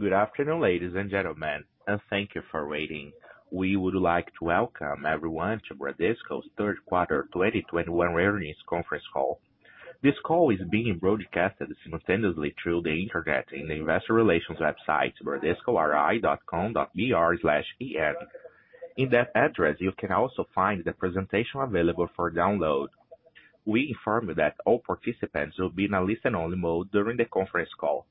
Good afternoon, ladies and gentlemen, and thank you for waiting. We would like to welcome everyone to Bradesco's third quarter 2021 earnings conference call. This call is being broadcasted simultaneously through the Internet in the investor relations website, bradescori.com.br/en. In that address, you can also find the presentation available for download. We inform you that all participants will be in a listen-only mode during the conference call.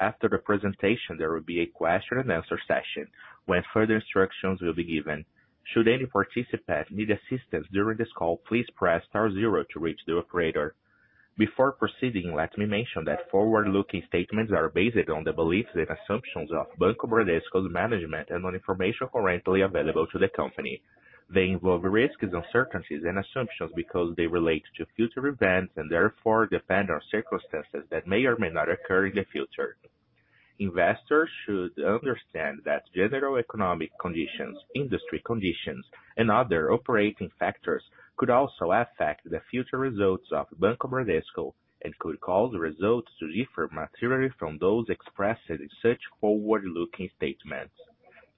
After the presentation, there will be a question-and-answer session, when further instructions will be given. Should any participant need assistance during this call, please press star zero to reach the operator. Before proceeding, let me mention that forward-looking statements are based on the beliefs and assumptions of Banco Bradesco's management and on information currently available to the company. They involve risks, uncertainties and assumptions because they relate to future events and therefore depend on circumstances that may or may not occur in the future. Investors should understand that general economic conditions, industry conditions, and other operating factors could also affect the future results of Banco Bradesco and could cause the results to differ materially from those expressed in such forward-looking statements.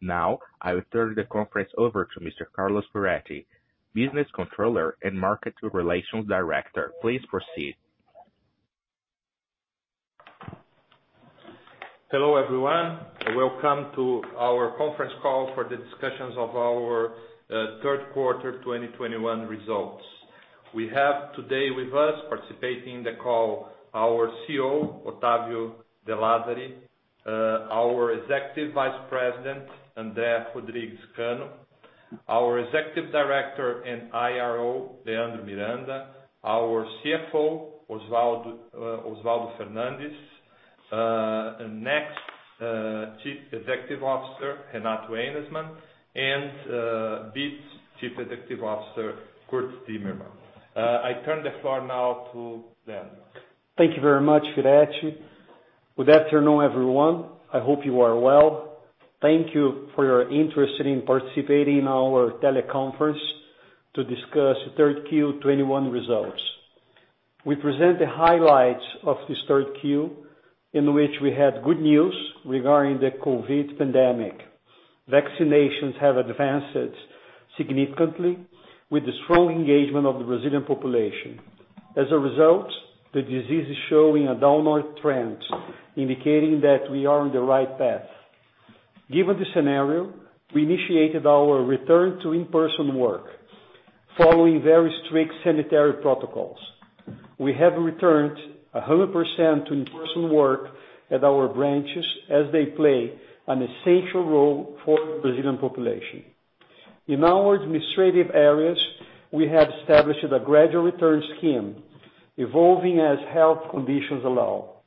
Now, I will turn the conference over to Mr. Carlos Firetti, Business Controller and Market Relations Director. Please proceed. Hello, everyone. Welcome to our conference call for the discussions of our third quarter 2021 results. We have today with us participating in the call our CEO, Octavio de Lazari, our Executive Vice President, Andre Rodrigues Cano, our Executive Director and IRO, Leandro Miranda, our CFO, Oswaldo Fernandes, Next Chief Executive Officer, Renato Ejnisman, and Bitz Chief Executive Officer, Curt Zimmermann. I turn the floor now to Leandro. Thank you very much, Firetti. Good afternoon, everyone. I hope you are well. Thank you for your interest in participating in our teleconference to discuss Q3 2021 results. We present the highlights of this Q3, in which we had good news regarding the COVID pandemic. Vaccinations have advanced significantly with the strong engagement of the Brazilian population. As a result, the disease is showing a downward trend, indicating that we are on the right path. Given the scenario, we initiated our return to in-person work following very strict sanitary protocols. We have returned 100% to in-person work at our branches as they play an essential role for Brazilian population. In our administrative areas, we have established a gradual return scheme evolving as health conditions allow.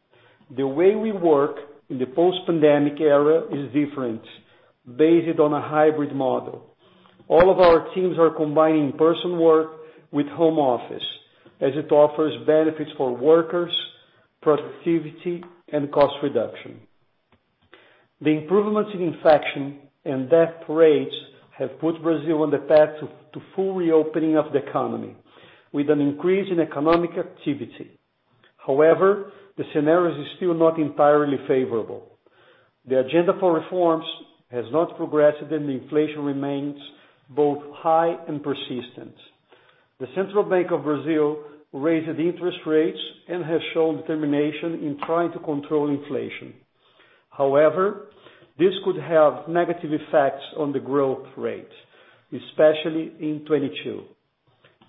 The way we work in the post-pandemic era is different, based on a hybrid model. All of our teams are combining in-person work with home office, as it offers benefits for workers, productivity, and cost reduction. The improvements in infection and death rates have put Brazil on the path to full reopening of the economy with an increase in economic activity. However, the scenario is still not entirely favorable. The agenda for reforms has not progressed, and inflation remains both high and persistent. The Central Bank of Brazil raised interest rates and has shown determination in trying to control inflation. However, this could have negative effects on the growth rate, especially in 2022.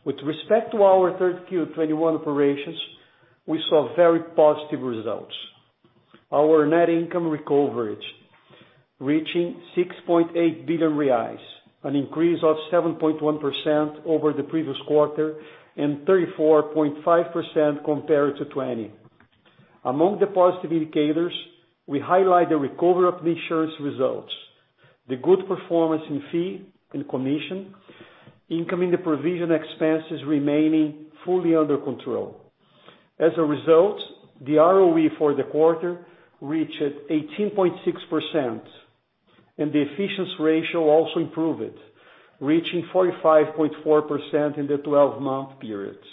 With respect to our third Q 2021 operations, we saw very positive results. Our net income recovered, reaching 6.8 billion reais, an increase of 7.1% over the previous quarter and 34.5% compared to 2020. Among the positive indicators, we highlight the recovery of the insurance results, the good performance in fee and commission income, the provision expenses remaining fully under control. As a result, the ROE for the quarter reached 18.6%, and the efficiency ratio also improved, reaching 45.4% in the 12-month periods.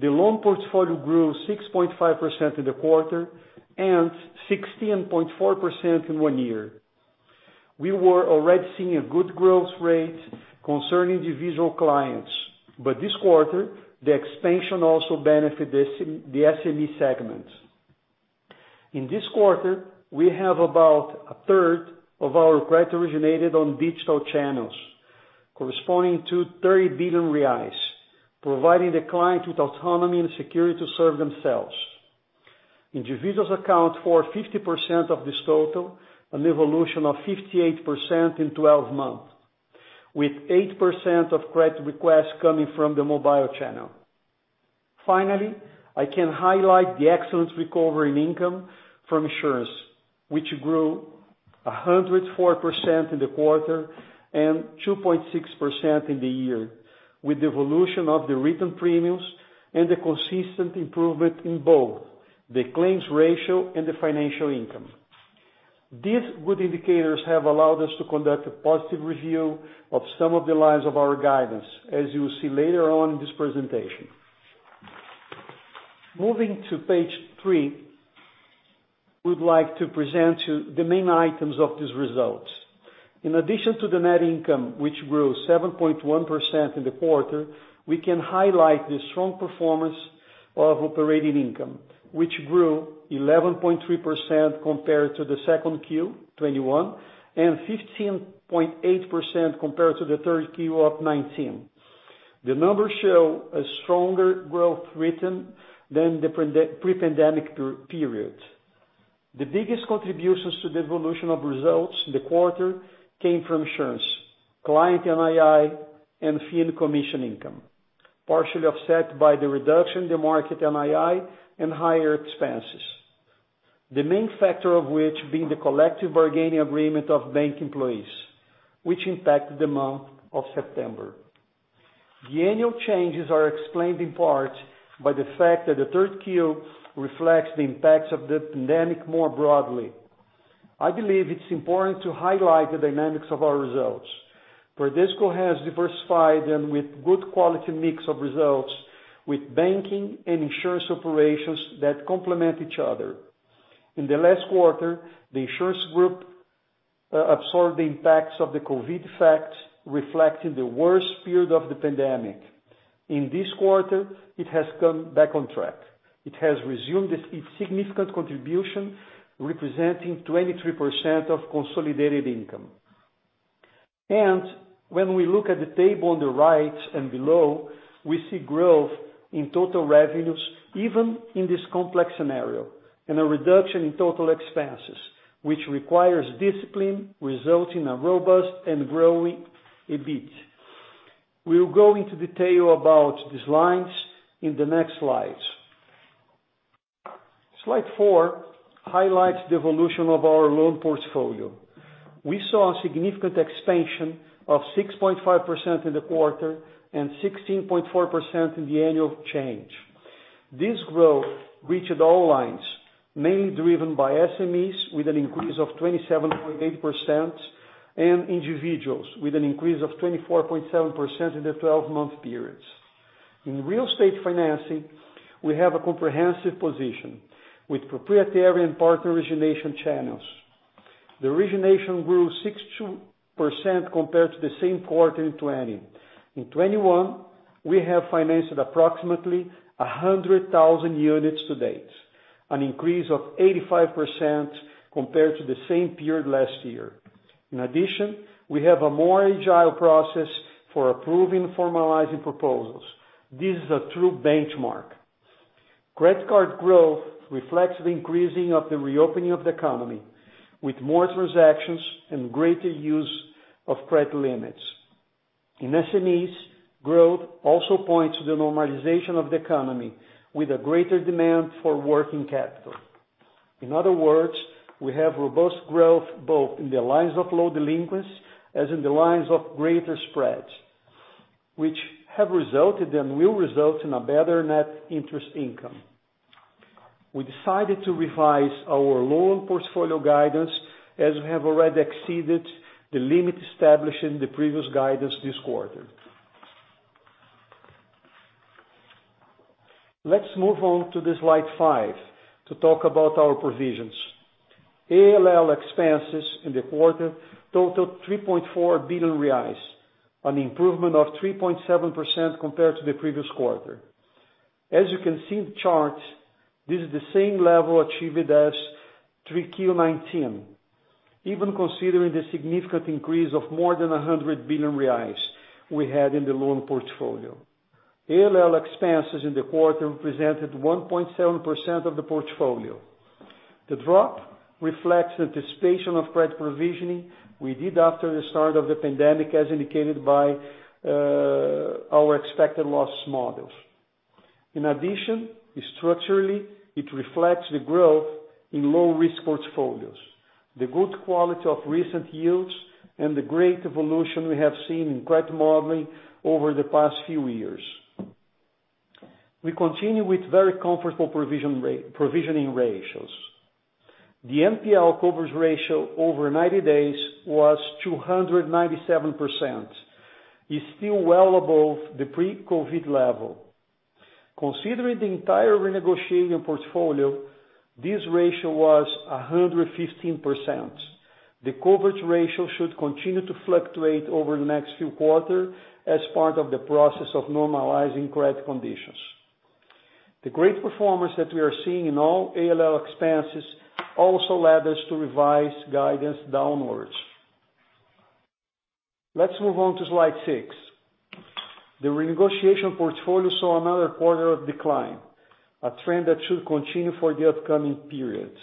The loan portfolio grew 6.5% in the quarter and 16.4% in one year. We were already seeing a good growth rate concerning individual clients, but this quarter, the expansion also benefited the SME segment. In this quarter, we have about a third of our credit originated on digital channels, corresponding to 30 billion reais, providing the client with autonomy and security to serve themselves. Individuals account for 50% of this total, an evolution of 58% in 12 months, with 8% of credit requests coming from the mobile channel. Finally, I can highlight the excellent recovery in income from insurance, which grew 104% in the quarter and 2.6% in the year, with the evolution of the written premiums and the consistent improvement in both the claims ratio and the financial income. These good indicators have allowed us to conduct a positive review of some of the lines of our guidance, as you will see later on in this presentation. Moving to page three, we'd like to present the main items of these results. In addition to the net income, which grew 7.1% in the quarter, we can highlight the strong performance of operating income, which grew 11.3% compared to Q2 2021, and 15.8% compared to Q3 2019. The numbers show a stronger growth rate than the pre-pandemic period. The biggest contributions to the evolution of results in the quarter came from insurance, client NII, and fee and commission income, partially offset by the reduction in the market NII and higher expenses, the main factor of which being the collective bargaining agreement of bank employees, which impacted the month of September. The annual changes are explained in part by the fact that Q3 reflects the impacts of the pandemic more broadly. I believe it's important to highlight the dynamics of our results. Bradesco has diversified them with good quality mix of results with banking and insurance operations that complement each other. In the last quarter, the insurance group absorbed the impacts of the COVID, reflecting the worst period of the pandemic. In this quarter, it has come back on track. It has resumed its significant contribution, representing 23% of consolidated income. When we look at the table on the right and below, we see growth in total revenues, even in this complex scenario, and a reduction in total expenses, which requires discipline, resulting in a robust and growing EBIT. We'll go into detail about these lines in the next slides. Slide four highlights the evolution of our loan portfolio. We saw a significant expansion of 6.5% in the quarter and 16.4% in the annual change. This growth reached all lines, mainly driven by SMEs with an increase of 27.8% and individuals with an increase of 24.7% in the twelve-month periods. In real estate financing, we have a comprehensive position with proprietary and partner origination channels. The origination grew 62% compared to the same quarter in 2020. In 2021, we have financed approximately 100,000 units to date, an increase of 85% compared to the same period last year. In addition, we have a more agile process for approving and formalizing proposals. This is a true benchmark. Credit card growth reflects the increase in the reopening of the economy with more transactions and greater use of credit limits. In SMEs, growth also points to the normalization of the economy with a greater demand for working capital. In other words, we have robust growth both in the lines of low delinquency as in the lines of greater spreads, which have resulted and will result in a better net interest income. We decided to revise our loan portfolio guidance as we have already exceeded the limit established in the previous guidance this quarter. Let's move on to slide five to talk about our provisions. ALL expenses in the quarter totaled 3.4 billion reais, an improvement of 3.7% compared to the previous quarter. As you can see in the chart, this is the same level achieved in 3Q 2019, even considering the significant increase of more than 100 billion reais we had in the loan portfolio. ALL expenses in the quarter represented 1.7% of the portfolio. The drop reflects the anticipation of credit provisioning we did after the start of the pandemic, as indicated by our expected loss models. In addition, structurally, it reflects the growth in low-risk portfolios, the good quality of recent yields, and the great evolution we have seen in credit modeling over the past few years. We continue with very comfortable provisioning ratios. The NPL coverage ratio over 90 days was 297%. It's still well above the pre-COVID level. Considering the entire renegotiating portfolio, this ratio was 115%. The coverage ratio should continue to fluctuate over the next few quarters as part of the process of normalizing credit conditions. The great performance that we are seeing in all ALL expenses also led us to revise guidance downwards. Let's move on to slide six. The renegotiation portfolio saw another quarter of decline, a trend that should continue for the upcoming periods.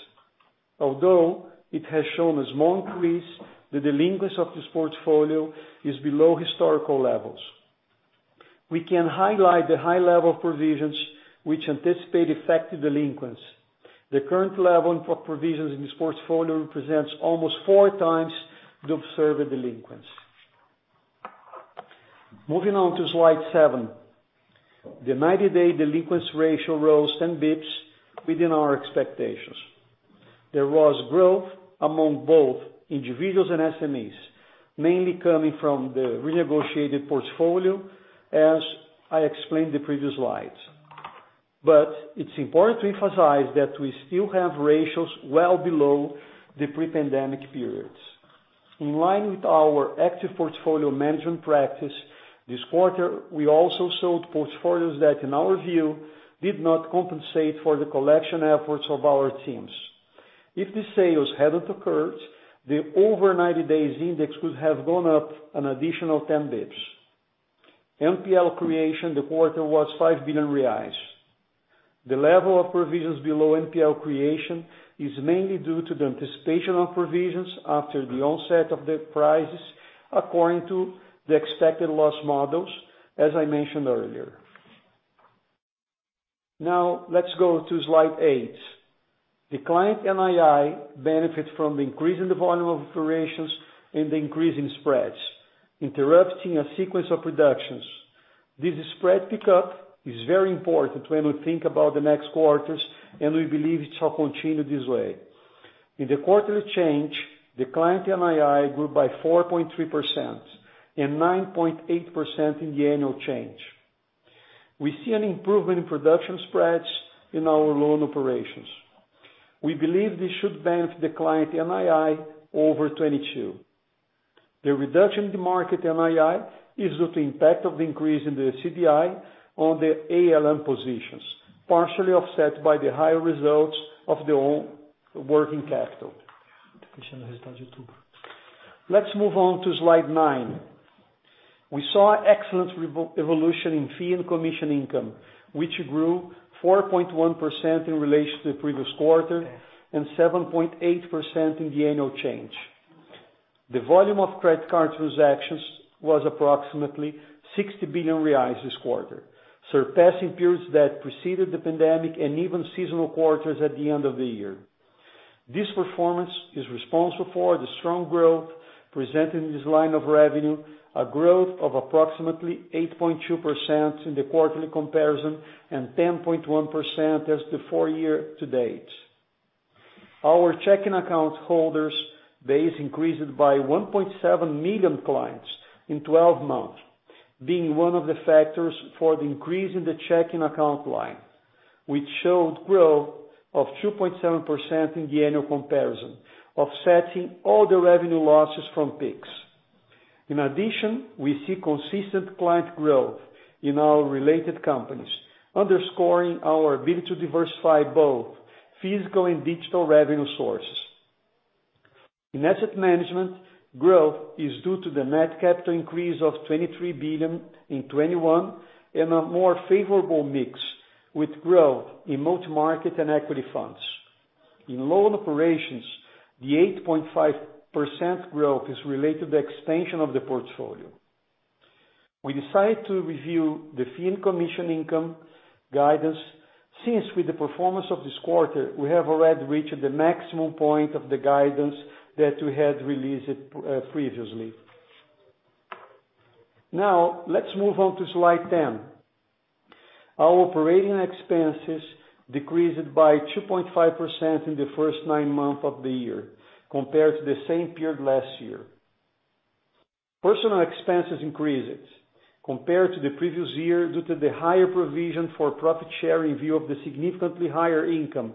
Although it has shown a small increase, the delinquents of this portfolio is below historical levels. We can highlight the high level of provisions which anticipate effective delinquents. The current level of provisions in this portfolio represents almost four times the observed delinquents. Moving on to slide seven. The 90-day delinquency ratio rose 10 basis points within our expectations. There was growth among both individuals and SMEs, mainly coming from the renegotiated portfolio, as I explained the previous slides. It's important to emphasize that we still have ratios well below the pre-pandemic periods. In line with our active portfolio management practice, this quarter, we also sold portfolios that, in our view, did not compensate for the collection efforts of our teams. If the sales hadn't occurred, the over 90 days index would have gone up an additional 10 basis points. NPL creation in the quarter was 5 billion reais. The level of provisions below NPL creation is mainly due to the anticipation of provisions after the onset of the crisis, according to the expected loss models, as I mentioned earlier. Now, let's go to slide eight. The client NII benefits from increasing the volume of operations and increasing spreads, interrupting a sequence of reductions. This spread pickup is very important when we think about the next quarters, and we believe it shall continue this way. In the quarterly change, the client NII grew by 4.3% and 9.8% in the annual change. We see an improvement in production spreads in our loan operations. We believe this should benefit the client NII over 2022. The reduction in the market NII is due to impact of the increase in the CDI on the ALM positions, partially offset by the higher results of their own working capital. Let's move on to slide nine. We saw excellent evolution in fee and commission income, which grew 4.1% in relation to the previous quarter and 7.8% in the annual change. The volume of credit card transactions was approximately 60 billion reais this quarter, surpassing periods that preceded the pandemic and even seasonal quarters at the end of the year. This performance is responsible for the strong growth presented in this line of revenue, a growth of approximately 8.2% in the quarterly comparison and 10.1% for the year-to-date. Our checking account holders base increased by 1.7 million clients in 12 months, being one of the factors for the increase in the checking account line, which showed growth of 2.7% in the annual comparison, offsetting all the revenue losses from Pix. In addition, we see consistent client growth in our related companies, underscoring our ability to diversify both physical and digital revenue sources. In asset management, growth is due to the net capital increase of 23 billion in 2021 and a more favorable mix with growth in multi-market and equity funds. In loan operations, the 8.5% growth is related to the extension of the portfolio. We decided to review the fee and commission income guidance, since with the performance of this quarter, we have already reached the maximum point of the guidance that we had released, previously. Now, let's move on to slide 10. Our operating expenses decreased by 2.5% in the first nine months of the year compared to the same period last year. Personnel expenses increased compared to the previous year due to the higher provision for profit share in view of the significantly higher income,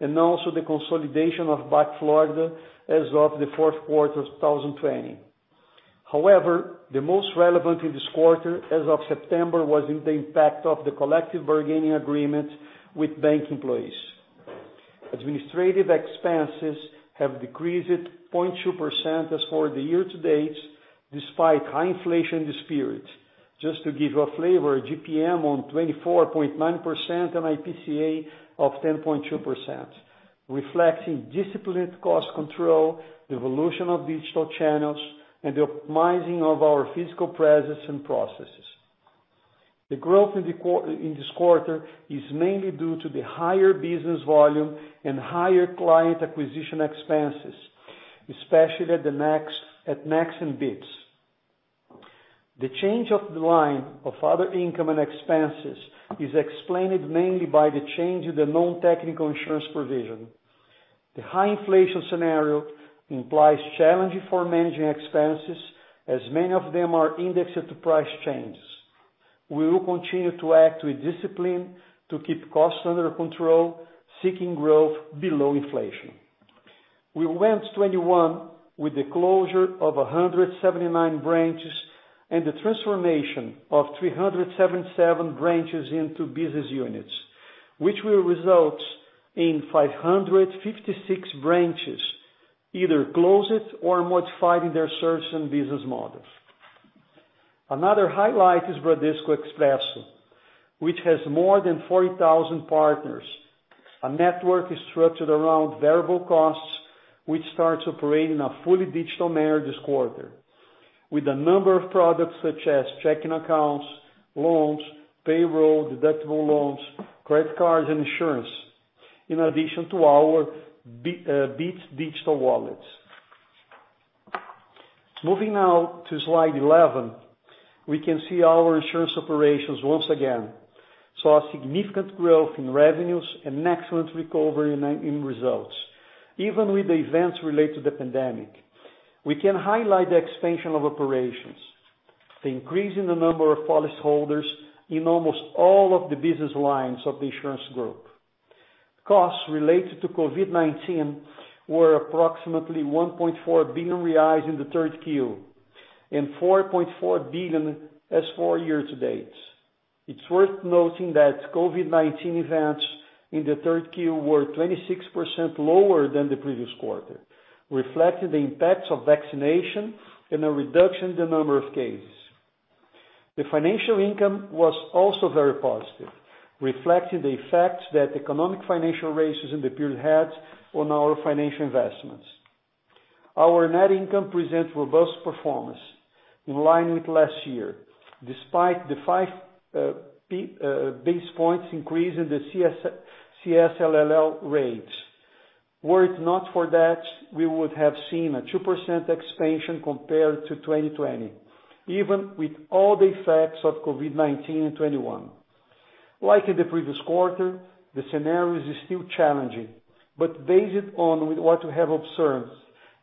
and also the consolidation of BAC Florida Bank as of the fourth quarter of 2020. However, the most relevant in this quarter as of September was in the impact of the collective bargaining agreement with bank employees. Administrative expenses have decreased 0.2% as for the year to date, despite high inflation this period. Just to give you a flavor, IGP-M of 24.9% and IPCA of 10.2%, reflecting disciplined cost control, the evolution of digital channels, and the optimizing of our physical presence and processes. The growth in this quarter is mainly due to the higher business volume and higher client acquisition expenses, especially at Next and Bitz. The change of the line of other income and expenses is explained mainly by the change in the non-technical insurance provision. The high inflation scenario is challenging for managing expenses, as many of them are indexed to price changes. We will continue to act with discipline to keep costs under control, seeking growth below inflation. In 2021 with the closure of 179 branches and the transformation of 377 branches into business units, which will result in 556 branches either closed or modified in their service and business models. Another highlight is Bradesco Expresso, which has more than 40,000 partners. A network is structured around variable costs, which starts operating in a fully digital manner this quarter. With a number of products such as checking accounts, loans, payroll, deductible loans, credit cards and insurance. In addition to our Bitz digital wallets. Moving now to slide 11, we can see our insurance operations once again saw a significant growth in revenues and excellent recovery in results, even with the events related to the pandemic. We can highlight the expansion of operations, the increase in the number of policy holders in almost all of the business lines of the insurance group. Costs related to COVID-19 were approximately 1.4 billion reais in the third Q, and 4.4 billion year-to-date. It's worth noting that COVID-19 events in Q3 were 26% lower than the previous quarter, reflecting the impacts of vaccination and a reduction in the number of cases. The financial income was also very positive, reflecting the fact that economic financial crisis in the period had on our financial investments. Our net income presents robust performance in line with last year, despite the 5 basis points increase in the CSLL rates. Were it not for that, we would have seen a 2% expansion compared to 2020, even with all the effects of COVID-19 in 2021. Like in the previous quarter, the scenario is still challenging, but based on what we have observed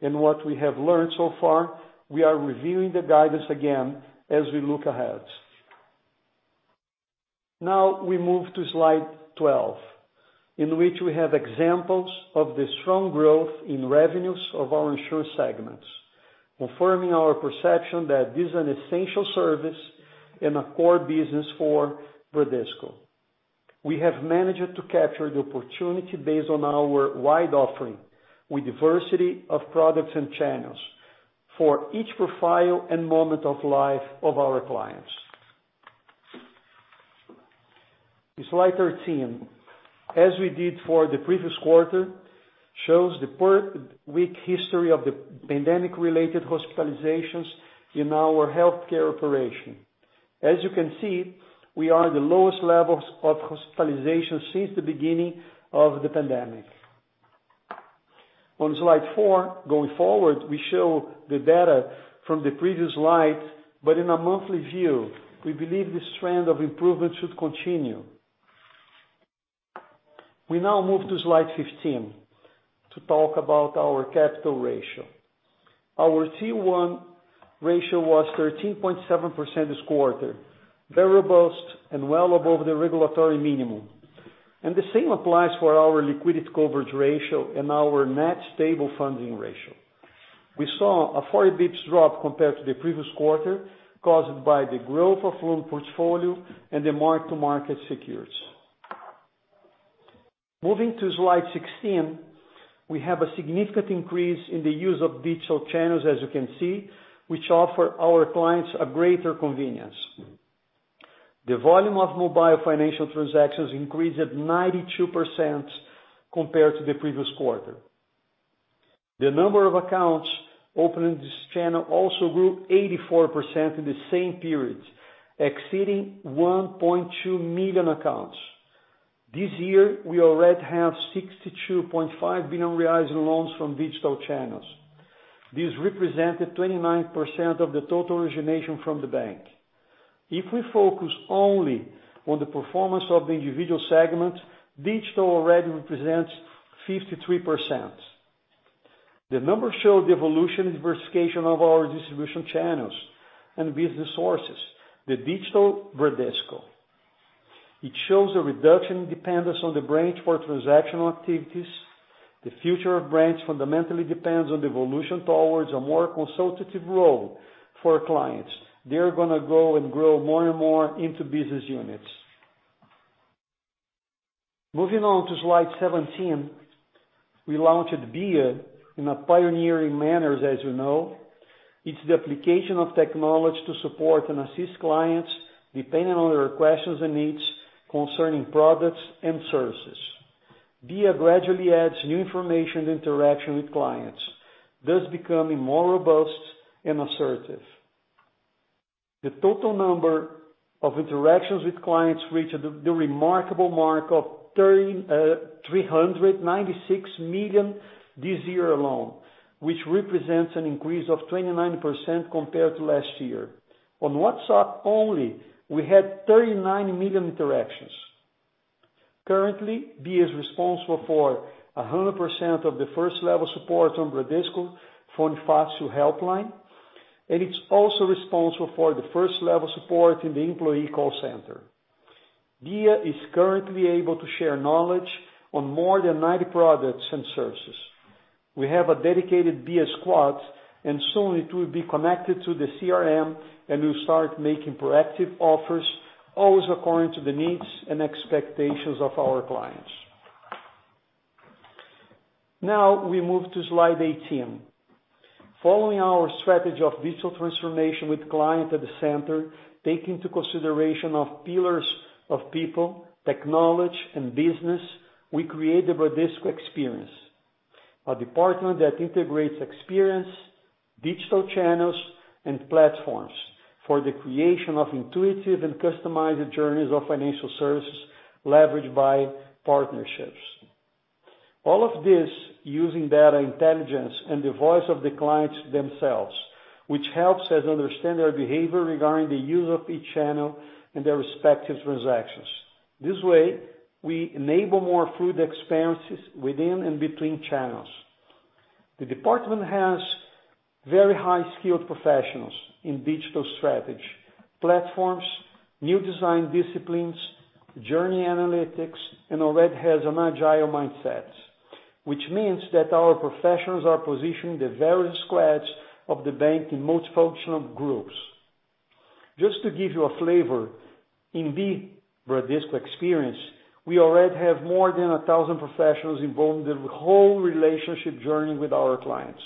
and what we have learned so far, we are reviewing the guidance again as we look ahead. Now, we move to slide 12, in which we have examples of the strong growth in revenues of our insurance segments, confirming our perception that this is an essential service and a core business for Bradesco. We have managed to capture the opportunity based on our wide offering with diversity of products and channels for each profile and moment of life of our clients. Slide 13, as we did for the previous quarter, shows the per week history of the pandemic-related hospitalizations in our healthcare operation. As you can see, we are at the lowest levels of hospitalizations since the beginning of the pandemic. On slide four, going forward, we show the data from the previous slide, but in a monthly view, we believe this trend of improvement should continue. We now move to slide 15 to talk about our capital ratio. Our Tier 1 ratio was 13.7% this quarter, very robust and well above the regulatory minimum. The same applies for our liquidity coverage ratio and our net stable funding ratio. We saw a 4 basis points drop compared to the previous quarter, caused by the growth of loan portfolio and the mark-to-market securities. Moving to slide 16, we have a significant increase in the use of digital channels, as you can see, which offer our clients a greater convenience. The volume of mobile financial transactions increased 92% compared to the previous quarter. The number of accounts opened in this channel also grew 84% in the same period, exceeding 1.2 million accounts. This year, we already have 62.5 billion in loans from digital channels. This represented 29% of the total origination from the bank. If we focus only on the performance of the individual segment, digital already represents 53%. The numbers show the evolution and diversification of our distribution channels and business sources, the digital Bradesco. It shows a reduction in dependence on the branch for transactional activities. The future of branch fundamentally depends on the evolution towards a more consultative role for our clients. They're gonna go and grow more and more into business units. Moving on to slide 17, we launched BIA in a pioneering manner, as you know. It's the application of technology to support and assist clients depending on their questions and needs concerning products and services. BIA gradually adds new information and interaction with clients, thus becoming more robust and assertive. The total number of interactions with clients reached the remarkable mark of 396 million this year alone, which represents an increase of 29% compared to last year. On WhatsApp only, we had 39 million interactions. Currently, BIA is responsible for 100% of the first level support on Bradesco Fone Fácil helpline, and it's also responsible for the first level support in the employee call center. BIA is currently able to share knowledge on more than 90 products and services. We have a dedicated BIA squad, and soon it will be connected to the CRM and will start making proactive offers, always according to the needs and expectations of our clients. Now we move to slide 18. Following our strategy of digital transformation with the client at the center, taking into consideration the pillars of people, technology, and business, we created Bradesco Experience, a department that integrates experience, digital channels and platforms for the creation of intuitive and customized journeys of financial services leveraged by partnerships. All of this using data intelligence and the voice of the clients themselves, which helps us understand their behavior regarding the use of each channel and their respective transactions. This way, we enable more fluid experiences within and between channels. The department has very high skilled professionals in digital strategy, platforms, new design disciplines, journey analytics, and already has an agile mindset, which means that our professionals are positioned at various squads of the bank in multifunctional groups. Just to give you a flavor, in Bradesco Experience, we already have more than 1,000 professionals involved in the whole relationship journey with our clients.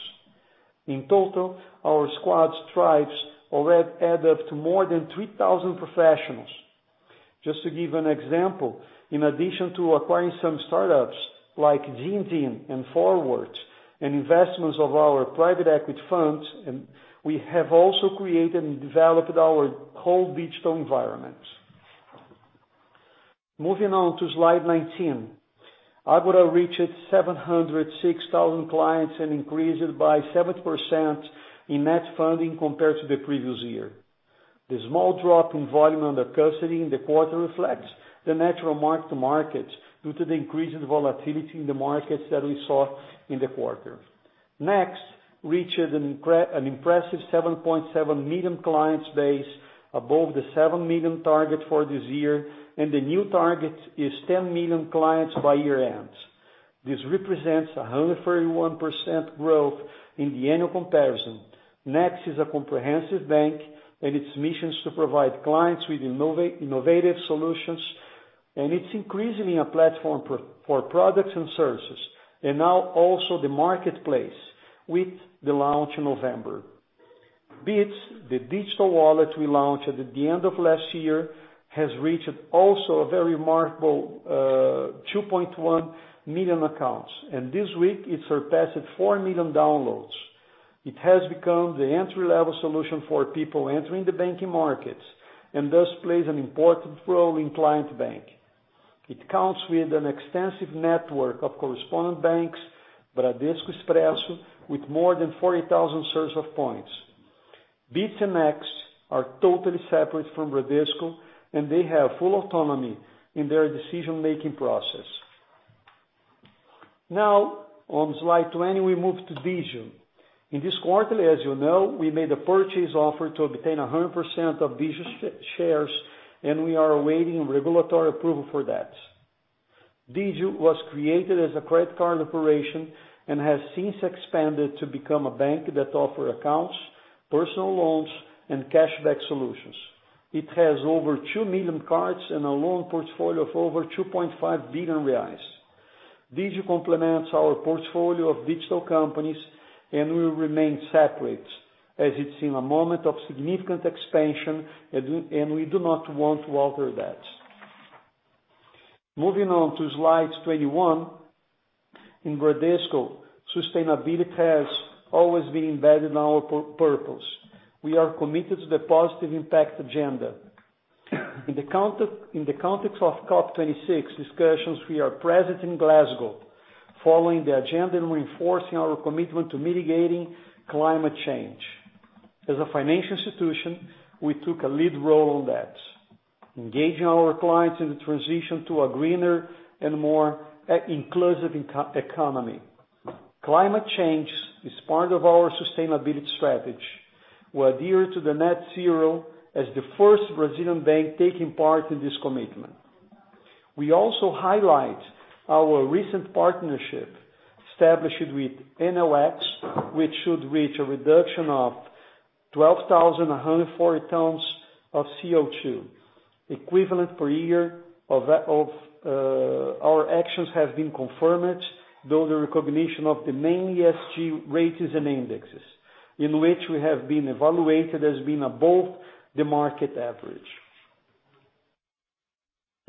In total, our squad's tribes already add up to more than 3,000 professionals. Just to give an example, in addition to acquiring some startups like Digio, Grão and Forward, and investments of our private equity funds, we have also created and developed our whole digital environment. Moving on to slide 19. Ágora reached 706,000 clients and increased by 7% in net funding compared to the previous year. The small drop in volume under custody in the quarter reflects the natural mark-to-market due to the increased volatility in the markets that we saw in the quarter. Next reached an impressive 7.7 million client base above the 7 million target for this year, and the new target is 10 million clients by year-end. This represents a 141% growth in the annual comparison. Next is a comprehensive bank, and its mission is to provide clients with innovative solutions, and it's increasingly a platform for products and services, and now also the marketplace with the launch in November. Bitz, the digital wallet we launched at the end of last year, has reached also a very remarkable 2.1 million accounts. This week it surpassed 4 million downloads. It has become the entry-level solution for people entering the banking markets, and thus plays an important role in client bank. It comes with an extensive network of correspondent banks, Bradesco Expresso, with more than 40,000 service points. Bitz and Next are totally separate from Bradesco, and they have full autonomy in their decision-making process. Now on slide 20, we move to Digio. In this quarterly, as you know, we made a purchase offer to obtain 100% of Digio shares, and we are awaiting regulatory approval for that. Digio was created as a credit card operation and has since expanded to become a bank that offer accounts, personal loans, and cash back solutions. It has over 2 million cards and a loan portfolio of over 2.5 billion reais. Digio complements our portfolio of digital companies and will remain separate as it's in a moment of significant expansion, and we do not want to alter that. Moving on to slide 21. In Bradesco, sustainability has always been embedded in our purpose. We are committed to the positive impact agenda. In the context of COP26 discussions, we are present in Glasgow following the agenda and reinforcing our commitment to mitigating climate change. As a financial institution, we took a lead role on that, engaging our clients in the transition to a greener and more inclusive eco-economy. Climate change is part of our sustainability strategy. We adhere to the Net-Zero as the first Brazilian bank taking part in this commitment. We also highlight our recent partnership established with Enel X, which should reach a reduction of 12,140 tons of CO2 equivalent per year. Our actions have been confirmed through the recognition of the main ESG ratings and indexes, in which we have been evaluated as being above the market average.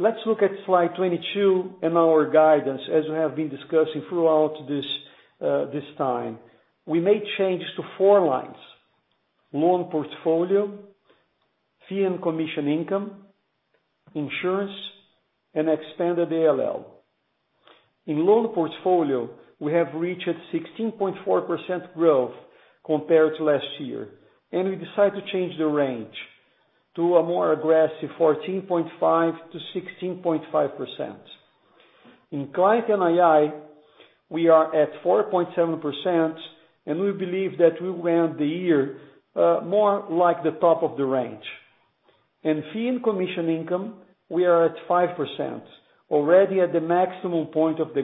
Let's look at slide 22 and our guidance as we have been discussing throughout this time. We made changes to four lines: loan portfolio, fee and commission income, insurance, and expanded ALL. In loan portfolio, we have reached 16.4% growth compared to last year, and we decided to change the range to a more aggressive 14.5%-16.5%. In client NII, we are at 4.7%, and we believe that we will end the year more like the top of the range. In fee and commission income, we are at 5%, already at the maximum point of the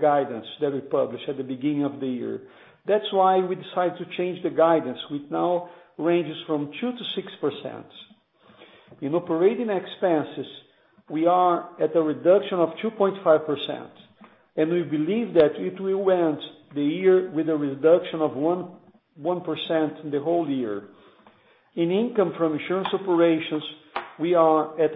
guidance that we published at the beginning of the year. That's why we decided to change the guidance, which now ranges from 2%-6%. In operating expenses, we are at a reduction of 2.5%, and we believe that it will end the year with a reduction of 1% in the whole year. In income from insurance operations, we are at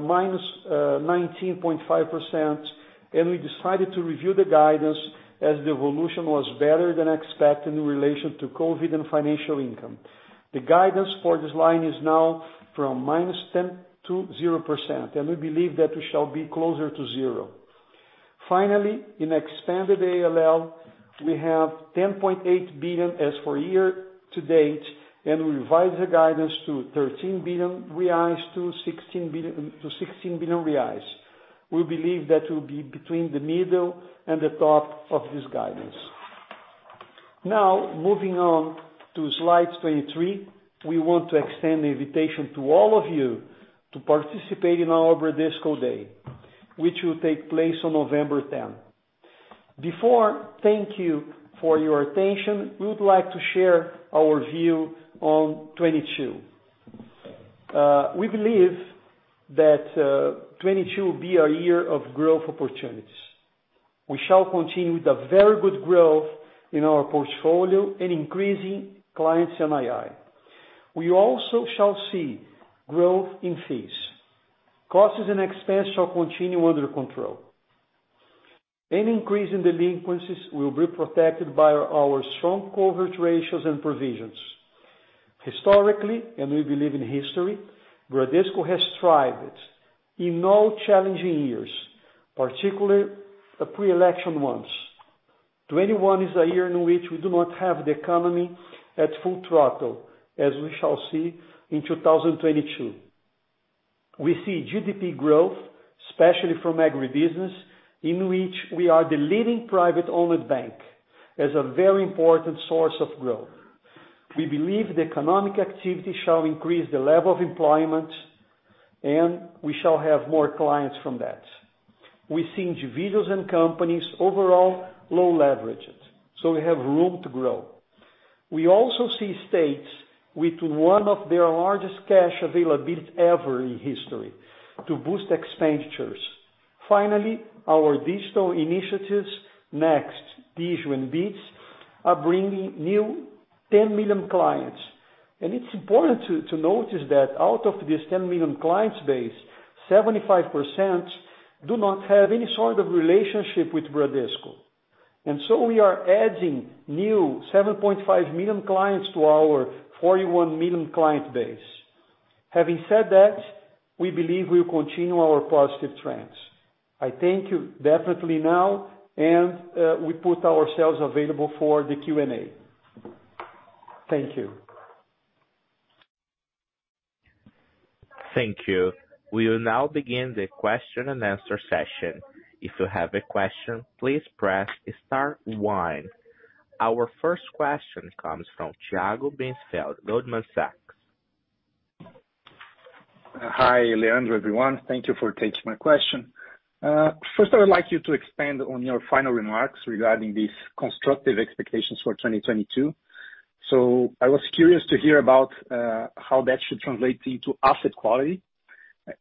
minus 19.5% and we decided to review the guidance as the evolution was better than expected in relation to COVID and financial income. The guidance for this line is now from -10% to 0%, and we believe that we shall be closer to zero. Finally, in expanded ALL, we have 10.8 billion as for year to date, and we revised the guidance to 13 billion-16 billion reais. We believe that will be between the middle and the top of this guidance. Moving on to slide 23, we want to extend the invitation to all of you to participate in our Bradesco Day, which will take place on November 10th. Before, thank you for your attention, we would like to share our view on 2022. We believe that 2022 will be our year of growth opportunities. We shall continue with the very good growth in our portfolio and increasing clients NII. We also shall see growth in fees. Costs and expenses shall continue under control. Any increase in delinquencies will be protected by our strong coverage ratios and provisions. Historically, and we believe in history, Bradesco has thrived in all challenging years, particularly the pre-election ones. 2021 is a year in which we do not have the economy at full throttle, as we shall see in 2022. We see GDP growth, especially from agribusiness, in which we are the leading private owner bank, as a very important source of growth. We believe the economic activity shall increase the level of employment, and we shall have more clients from that. We see individuals and companies overall low leveraged, so we have room to grow. We also see states with one of their largest cash availability ever in history to boost expenditures. Finally, our digital initiatives, Next, Digio and Bitz, are bringing new 10 million clients. It's important to notice that out of this 10 million clients base, 75% do not have any sort of relationship with Bradesco. We are adding new 7.5 million clients to our 41 million client base. Having said that, we believe we'll continue our positive trends. I thank you definitely now, and we put ourselves available for the Q&A. Thank you. Thank you. We will now begin the question and answer session. If you have a question, please press star one. Our first question comes from Tiago Binsfeld, Goldman Sachs. Hi, Leandro, everyone. Thank you for taking my question. First, I would like you to expand on your final remarks regarding these constructive expectations for 2022. I was curious to hear about how that should translate into asset quality.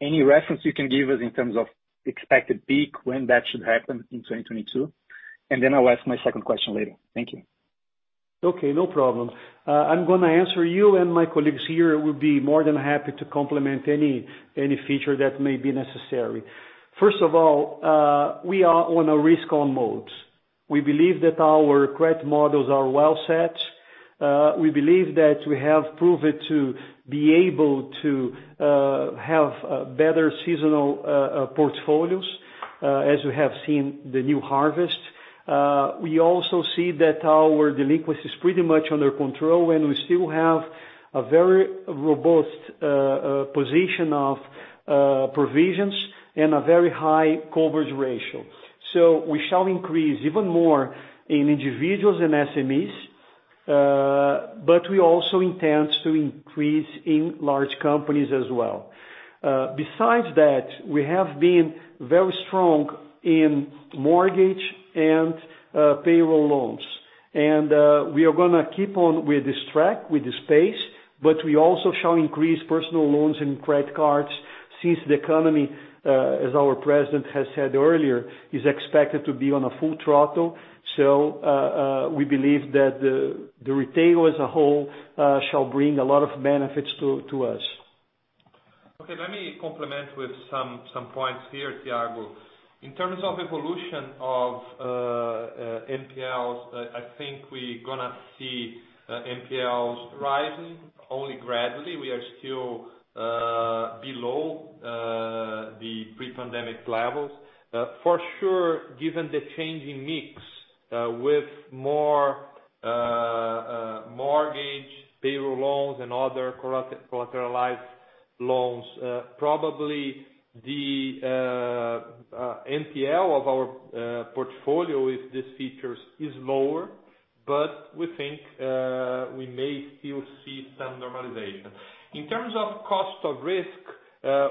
Any reference you can give us in terms of expected peak, when that should happen in 2022? I'll ask my second question later. Thank you. Okay, no problem. I'm gonna answer you and my colleagues here will be more than happy to complement any feature that may be necessary. First of all, we are on a risk on modes. We believe that our credit models are well set. We believe that we have proven to be able to have better seasonal portfolios as we have seen the new harvest. We also see that our delinquencies pretty much under control, and we still have a very robust position of provisions and a very high coverage ratio. We shall increase even more in individuals and SMEs, but we also intend to increase in large companies as well. Besides that, we have been very strong in mortgage and payroll loans. We are gonna keep on with this track, with this pace, but we also shall increase personal loans and credit cards since the economy, as our president has said earlier, is expected to be on a full throttle. We believe that the retail as a whole shall bring a lot of benefits to us. Okay, let me complement with some points here, Thiago. In terms of evolution of NPLs, I think we're gonna see NPLs rising only gradually. We are still below the pre-pandemic levels. For sure, given the changing mix with more mortgage, payroll loans and other collateralized loans, probably the NPL of our portfolio with these features is lower, but we think we may still see some normalization. In terms of cost of risk,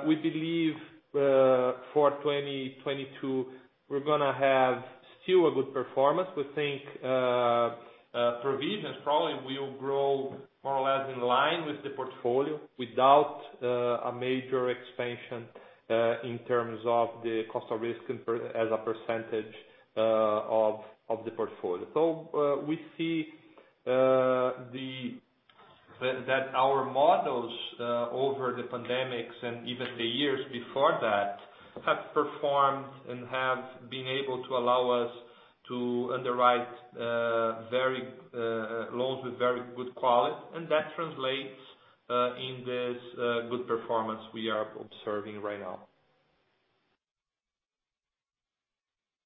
we believe for 2022, we're gonna have still a good performance. We think provisions probably will grow more or less in line with the portfolio without a major expansion in terms of the cost of risk as a percentage of the portfolio. We see the That our models over the pandemic and even the years before that have performed and have been able to allow us to underwrite a variety of loans with very good quality, and that translates into this good performance we are observing right now.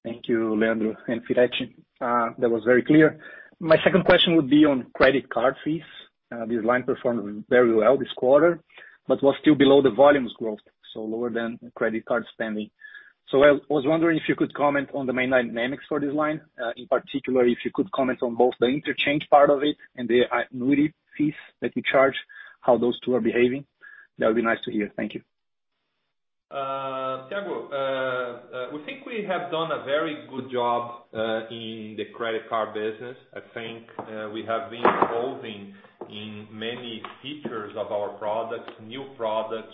Thank you, Leandro and Firetti. That was very clear. My second question would be on credit card fees. This line performed very well this quarter, but was still below the volumes growth, so lower than credit card spending. I was wondering if you could comment on the main line dynamics for this line, in particular, if you could comment on both the interchange part of it and the annuity fees that you charge, how those two are behaving. That would be nice to hear. Thank you. Tiago, we think we have done a very good job in the credit card business. I think we have been evolving in many features of our products, new products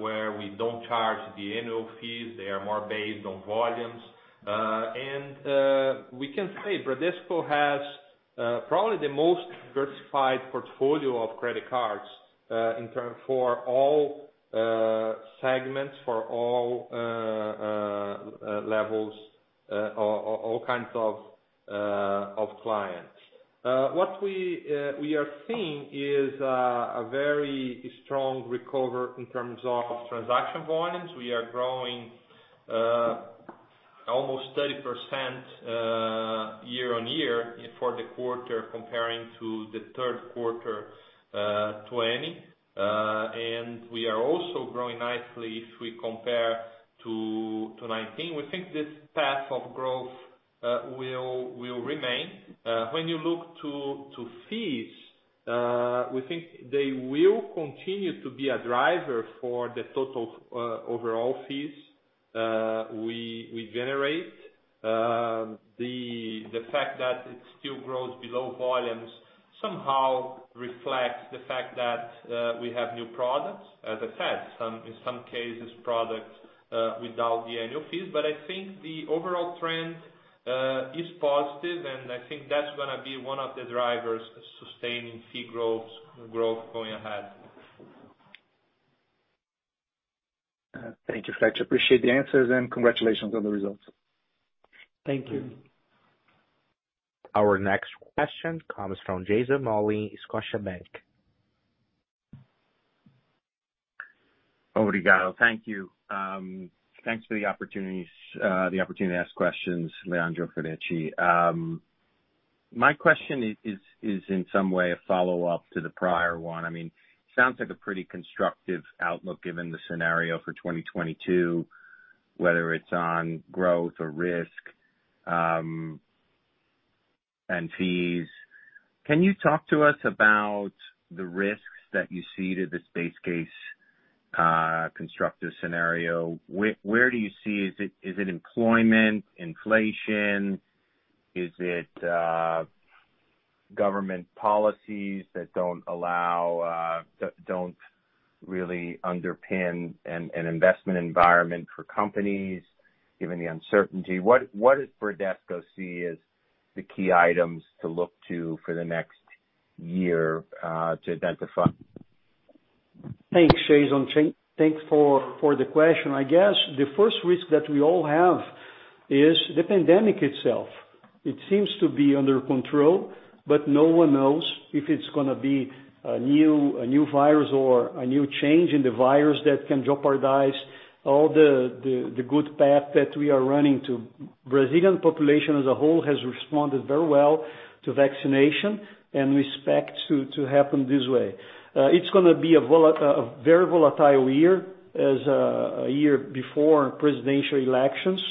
where we don't charge the annual fees. They are more based on volumes. We can say Bradesco has probably the most diversified portfolio of credit cards in terms of all segments, for all levels, all kinds of clients. What we are seeing is a very strong recovery in terms of transaction volumes. We are growing almost 30% year-over-year for the quarter comparing to the third quarter 2020. We are also growing nicely if we compare to 2019. We think this path of growth will remain. When you look to fees, we think they will continue to be a driver for the total, overall fees we generate. The fact that it still grows below volumes somehow reflects the fact that we have new products, as I said, some in some cases, products without the annual fees. I think the overall trend is positive, and I think that's gonna be one of the drivers sustaining fee growth going ahead. Thank you, Firetti. I appreciate the answers, and congratulations on the results. Thank you. Our next question comes from Jason Mollin, Scotiabank. [Foreign language: Obrigado.] Thank you. Thanks for the opportunities, the opportunity to ask questions, Leandro and Firetti. My question is in some way a follow-up to the prior one. I mean, sounds like a pretty constructive outlook given the scenario for 2022, whether it's on growth or risk, and fees. Can you talk to us about the risks that you see to this base case, constructive scenario? Where do you see. Is it employment, inflation? Is it government policies that don't allow that don't really underpin an investment environment for companies given the uncertainty? What does Bradesco see as the key items to look to for the next year to identify? Thanks, Jason. Thanks for the question. I guess the first risk that we all have is the pandemic itself. It seems to be under control, but no one knows if it's gonna be a new virus or a new change in the virus that can jeopardize all the good path that we are running to. Brazilian population as a whole has responded very well to vaccination and we expect to happen this way. It's gonna be a very volatile year as a year before presidential elections.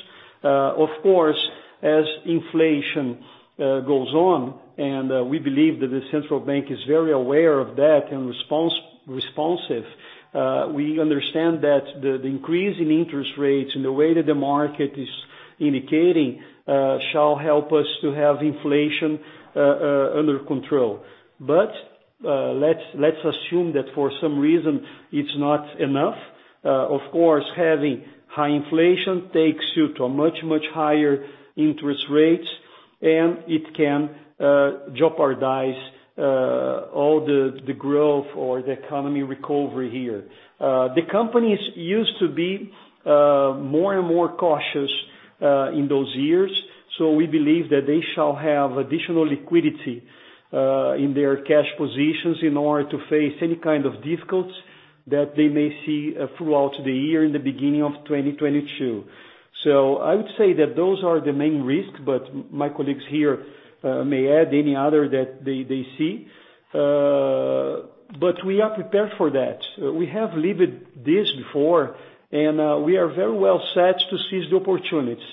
Of course, as inflation goes on, we believe that the central bank is very aware of that and responsive. We understand that the increase in interest rates and the way that the market is indicating shall help us to have inflation under control. Let's assume that for some reason it's not enough. Of course, having high inflation takes you to a much higher interest rates, and it can jeopardize all the growth or the economy recovery here. The companies used to be more and more cautious in those years. We believe that they shall have additional liquidity in their cash positions in order to face any kind of difficulties that they may see throughout the year in the beginning of 2022. I would say that those are the main risks, but my colleagues here may add any other that they see. We are prepared for that. We have lived this before, we are very well set to seize the opportunities.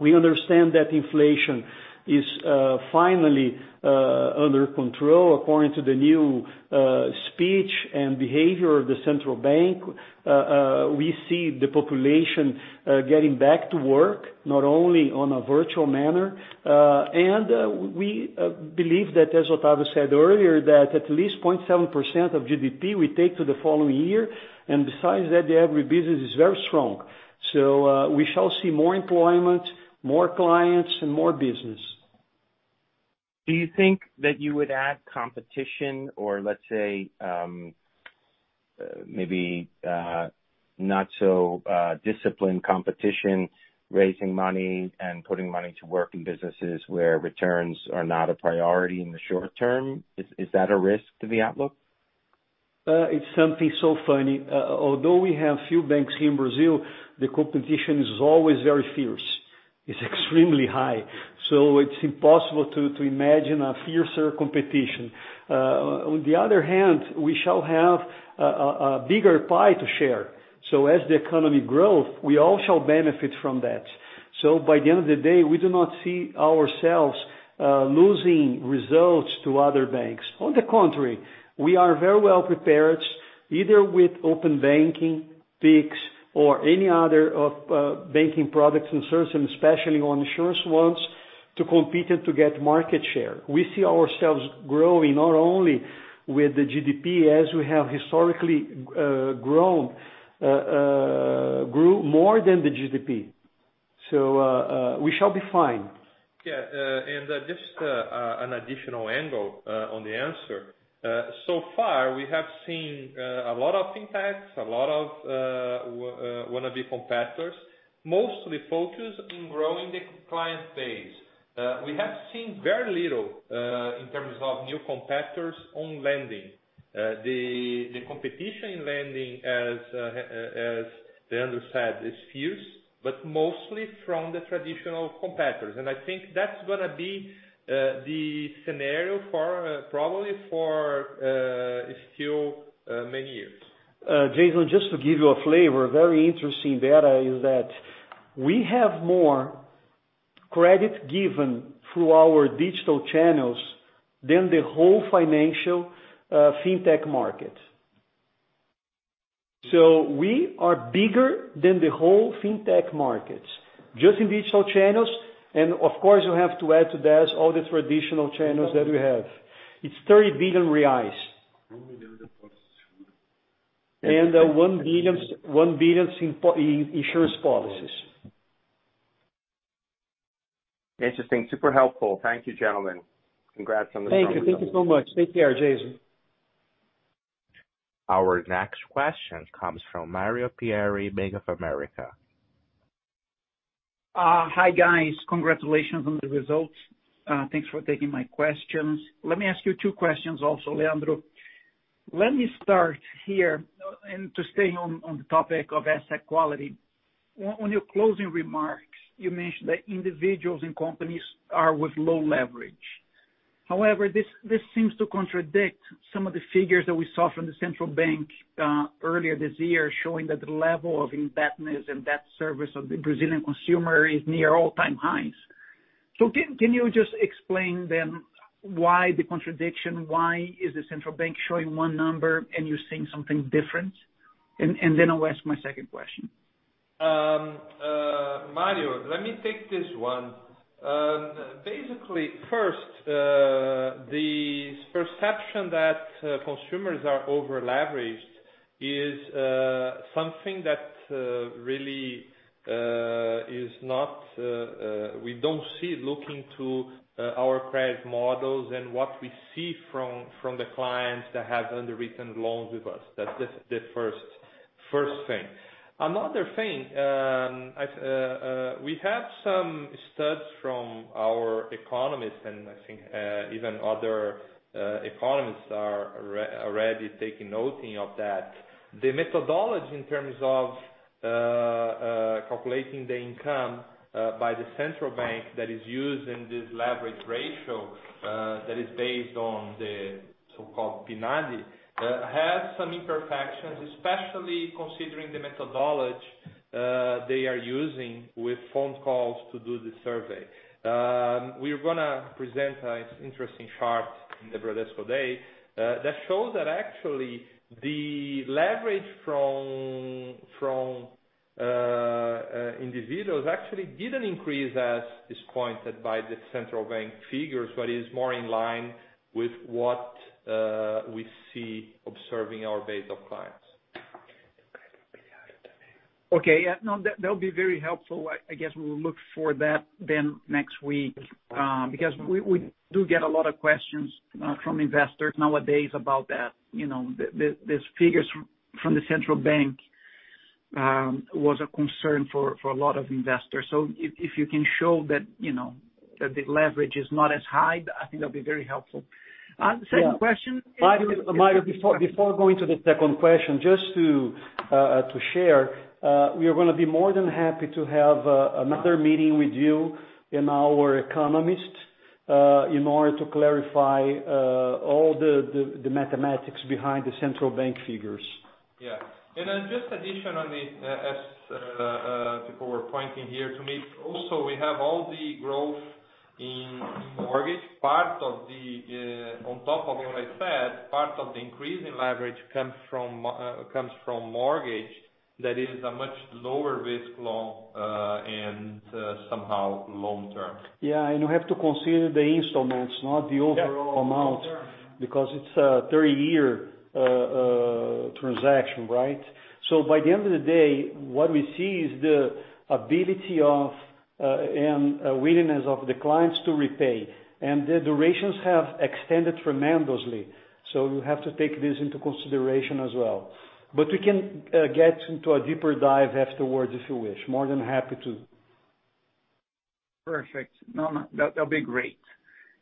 We understand that inflation is finally under control according to the new speech and behavior of the central bank. We see the population getting back to work, not only on a virtual manner. We believe that, as Octavio said earlier, that at least 0.7% of GDP we take to the following year. Besides that, the average business is very strong. We shall see more employment, more clients, and more business. Do you think that you would add competition or let's say, maybe, not so, disciplined competition, raising money and putting money to work in businesses where returns are not a priority in the short term? Is that a risk to the outlook? It's something so funny. Although we have few banks here in Brazil, the competition is always very fierce. It's extremely high, so it's impossible to imagine a fiercer competition. On the other hand, we shall have a bigger pie to share. As the economy grows, we all shall benefit from that. By the end of the day, we do not see ourselves losing results to other banks. On the contrary, we are very well prepared, either with open banking, Pix, or any other banking products and services, especially on insurance ones, to compete and to get market share. We see ourselves growing not only with the GDP as we have historically grown more than the GDP. We shall be fine. Yeah. Just an additional angle on the answer. So far we have seen a lot of Big Techs, a lot of one of the competitors, mostly focused in growing the client base. We have seen very little in terms of new competitors on lending. The competition in lending, as Leandro said, is fierce, but mostly from the traditional competitors. I think that's gonna be the scenario for probably still many years. Jason, just to give you a flavor, very interesting data is that we have more credit given through our digital channels than the whole financial fintech market. We are bigger than the whole fintech market, just in digital channels. Of course, you have to add to that all the traditional channels that we have. It's 30 billion reais. One billion in insurance policies. Interesting. Super helpful. Thank you, gentlemen. Congrats on the results. Thank you. Thank you so much. Take care, Jason. Our next question comes from Mario Pierry, Bank of America. Hi, guys. Congratulations on the results. Thanks for taking my questions. Let me ask you two questions also, Leandro. Let me start here and to stay on the topic of asset quality. On your closing remarks, you mentioned that individuals and companies are with low leverage. However, this seems to contradict some of the figures that we saw from the central bank earlier this year, showing that the level of indebtedness and debt service of the Brazilian consumer is near all-time highs. Can you just explain then why the contradiction, why is the central bank showing one number and you're seeing something different? I'll ask my second question. Mario, let me take this one. Basically, first, the perception that consumers are over-leveraged is something that really is not. We don't see looking through our credit models and what we see from the clients that have underwritten loans with us. That's the first thing. Another thing, we have some studies from our economists, and I think even other economists are already taking note of that. The methodology in terms of calculating the income by the central bank that is used in this leverage ratio that is based on the so-called PNAD has some imperfections, especially considering the methodology they are using with phone calls to do the survey. We're gonna present an interesting chart in the Bradesco Day that shows that actually the leverage from individuals actually didn't increase as is pointed by the Central Bank figures, but is more in line with what we see observing our base of clients. Okay. Yeah, no, that'll be very helpful. I guess we'll look for that then next week, because we do get a lot of questions from investors nowadays about that. You know, these figures from the central bank was a concern for a lot of investors. So if you can show that, you know, that the leverage is not as high, I think that'd be very helpful. Second question- Mario, before going to the second question, just to share, we are gonna be more than happy to have another meeting with you and our economist, in order to clarify all the mathematics behind the Central Bank figures. Just additionally, as people were pointing here to me, also, we have all the growth in mortgage. Part of the, on top of what I said, part of the increase in leverage comes from mortgage. That is a much lower risk loan, and somehow long-term. Yeah, you have to consider the installments, not the overall amount. Yeah, long-term. Because it's a 30-year transaction, right? By the end of the day, what we see is the ability and a willingness of the clients to repay. The durations have extended tremendously. You have to take this into consideration as well. We can get into a deeper dive afterwards, if you wish. More than happy to. Perfect. No, that'd be great.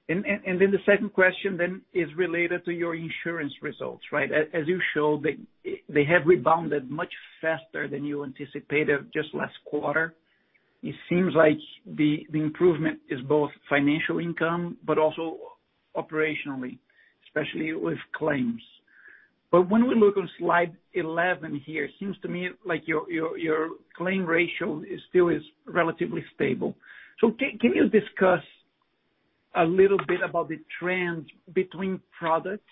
The second question is related to your insurance results, right? As you show, they have rebounded much faster than you anticipated just last quarter. It seems like the improvement is both financial income but also operationally, especially with claims. When we look on slide 11 here, it seems to me like your claim ratio is still relatively stable. Can you discuss a little bit about the trends between products?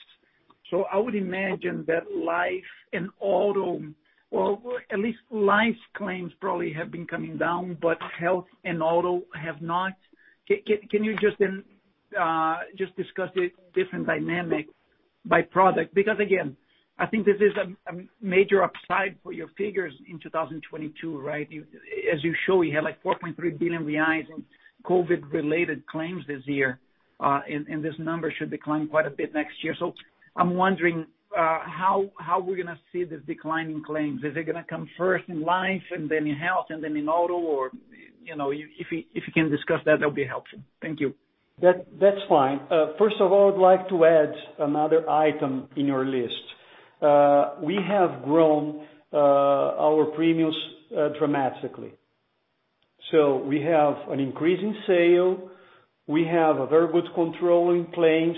I would imagine that life and auto, well, at least life's claims probably have been coming down, but health and auto have not. Can you just discuss the different dynamic by product? Because again, I think this is a major upside for your figures in 2022, right? As you show, you had like 4.3 billion reais in COVID-related claims this year. This number should decline quite a bit next year. I'm wondering how we're gonna see this decline in claims. Is it gonna come first in life and then in health and then in auto? Or, you know, if you can discuss that'll be helpful. Thank you. That's fine. First of all, I'd like to add another item in your list. We have grown our premiums dramatically. We have an increase in sale, we have a very good control in claims,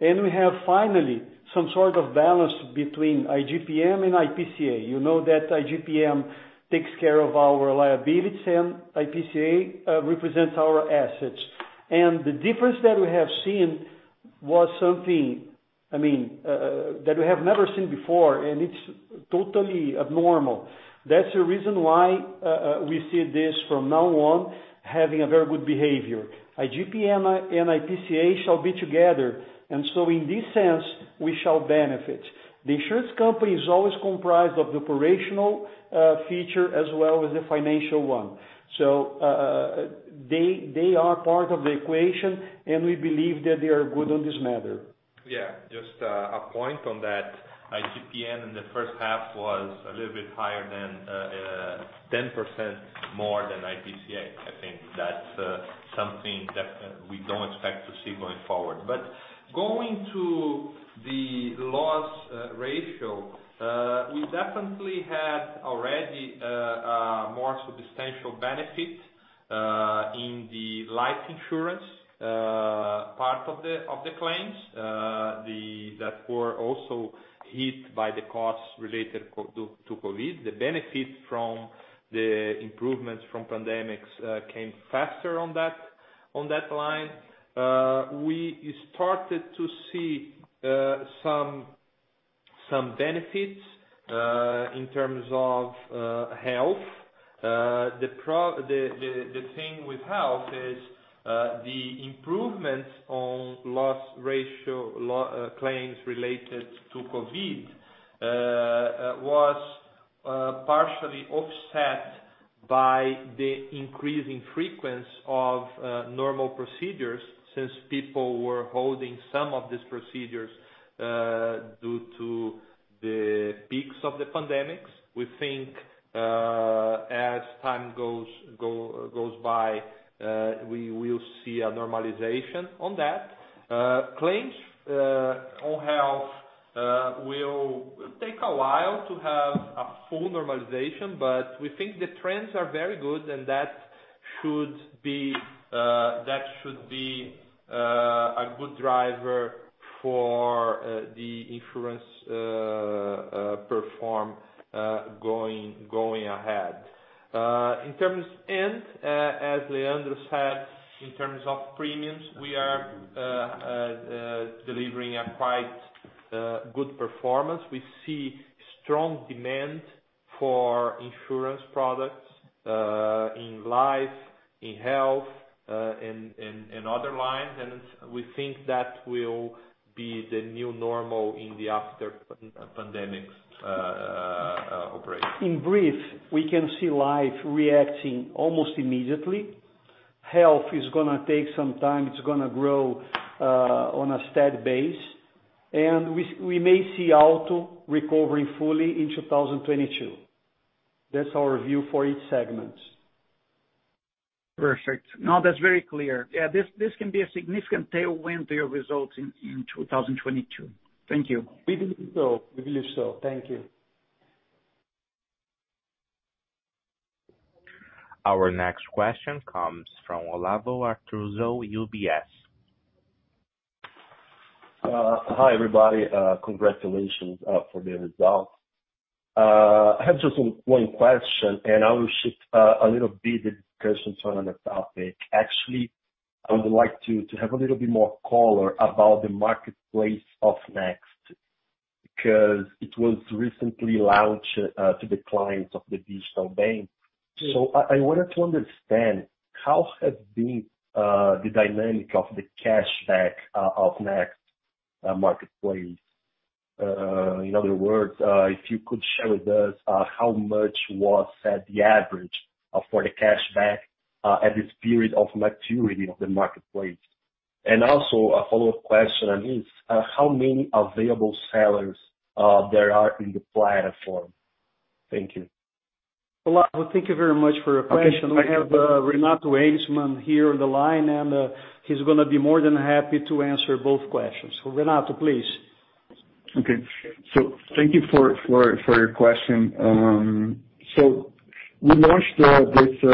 and we have finally some sort of balance between IGPM and IPCA. You know that IGPM takes care of our liabilities and IPCA represents our assets. The difference that we have seen was something, I mean, that we have never seen before, and it's totally abnormal. That's the reason why we see this from now on having a very good behavior. IGPM and IPCA shall be together. In this sense, we shall benefit. The insurance company is always comprised of the operational feature as well as the financial one. They are part of the equation, and we believe that they are good on this matter. Yeah. Just a point on that. IGPM in the first half was a little bit higher than 10% more than IPCA. I think that's something that we don't expect to see going forward. Going to the loss ratio, we definitely had already more substantial benefit in the life insurance part of the claims that were also hit by the costs related to COVID. The benefit from the improvements from pandemics came faster on that line. We started to see some benefits in terms of health. The thing with health is the improvements on loss ratio, claims related to COVID was partially offset by the increasing frequency of normal procedures since people were holding some of these procedures due to the peaks of the pandemics. We think as time goes by we will see a normalization on that. Claims on health will take a while to have a full normalization, but we think the trends are very good, and that should be a good driver for the insurance performance going ahead. In terms of end, as Leandro said, in terms of premiums, we are delivering a quite good performance. We see strong demand for insurance products in life, in health, in other lines, and we think that will be the new normal in the post-pandemic environment. In brief, we can see life reacting almost immediately. Health is gonna take some time. It's gonna grow on a steady basis. We may see auto recovering fully in 2022. That's our view for each segment. Perfect. No, that's very clear. Yeah, this can be a significant tailwind to your results in 2022. Thank you. We believe so. Thank you. Our next question comes from Olavo Arthuzo, UBS. Hi, everybody. Congratulations for the results. I have just one question, and I will shift a little bit the discussion to another topic. Actually, I would like to have a little bit more color about the marketplace of Next, because it was recently launched to the clients of the digital bank. I wanted to understand how has been the dynamic of the cashback of Next marketplace? In other words, if you could share with us, how much was the average for the cashback at this period of maturity of the marketplace. Also a follow-up question on this, how many available sellers there are in the platform? Thank you. Olavo, thank you very much for your question. We have Renato Ejnisman here on the line, and he's gonna be more than happy to answer both questions. Renato, please. Okay. Thank you for your question. We launched this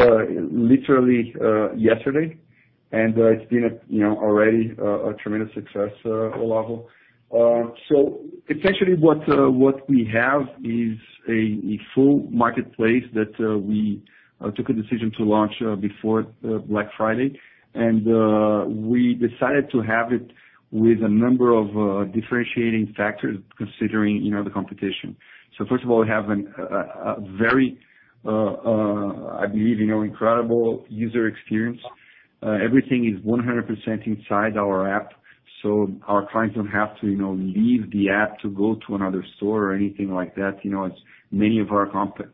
literally yesterday, and it's been, you know, already a tremendous success, Olavo. Essentially what we have is a full marketplace that we took a decision to launch before Black Friday. We decided to have it with a number of differentiating factors considering, you know, the competition. First of all, we have a very, I believe, you know, incredible user experience. Everything is 100% inside our app, so our clients don't have to, you know, leave the app to go to another store or anything like that, you know, as many of our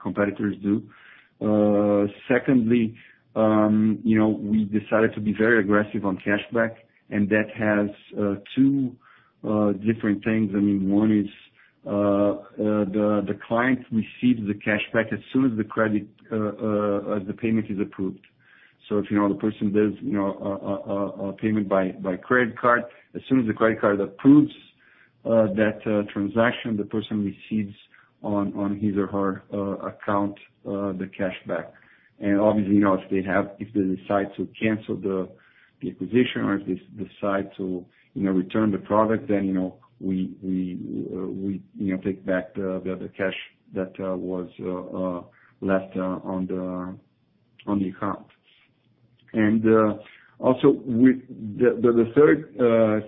competitors do. Secondly, you know, we decided to be very aggressive on cashback, and that has two different things. I mean, one is the client receives the cashback as soon as the credit, the payment is approved. So if, you know, the person does, you know, a payment by credit card, as soon as the credit card approves that transaction, the person receives on his or her account the cashback. And obviously, you know, if they decide to cancel the acquisition or if they decide to, you know, return the product, then, you know, we take back the other cash that was left on the account. also with the third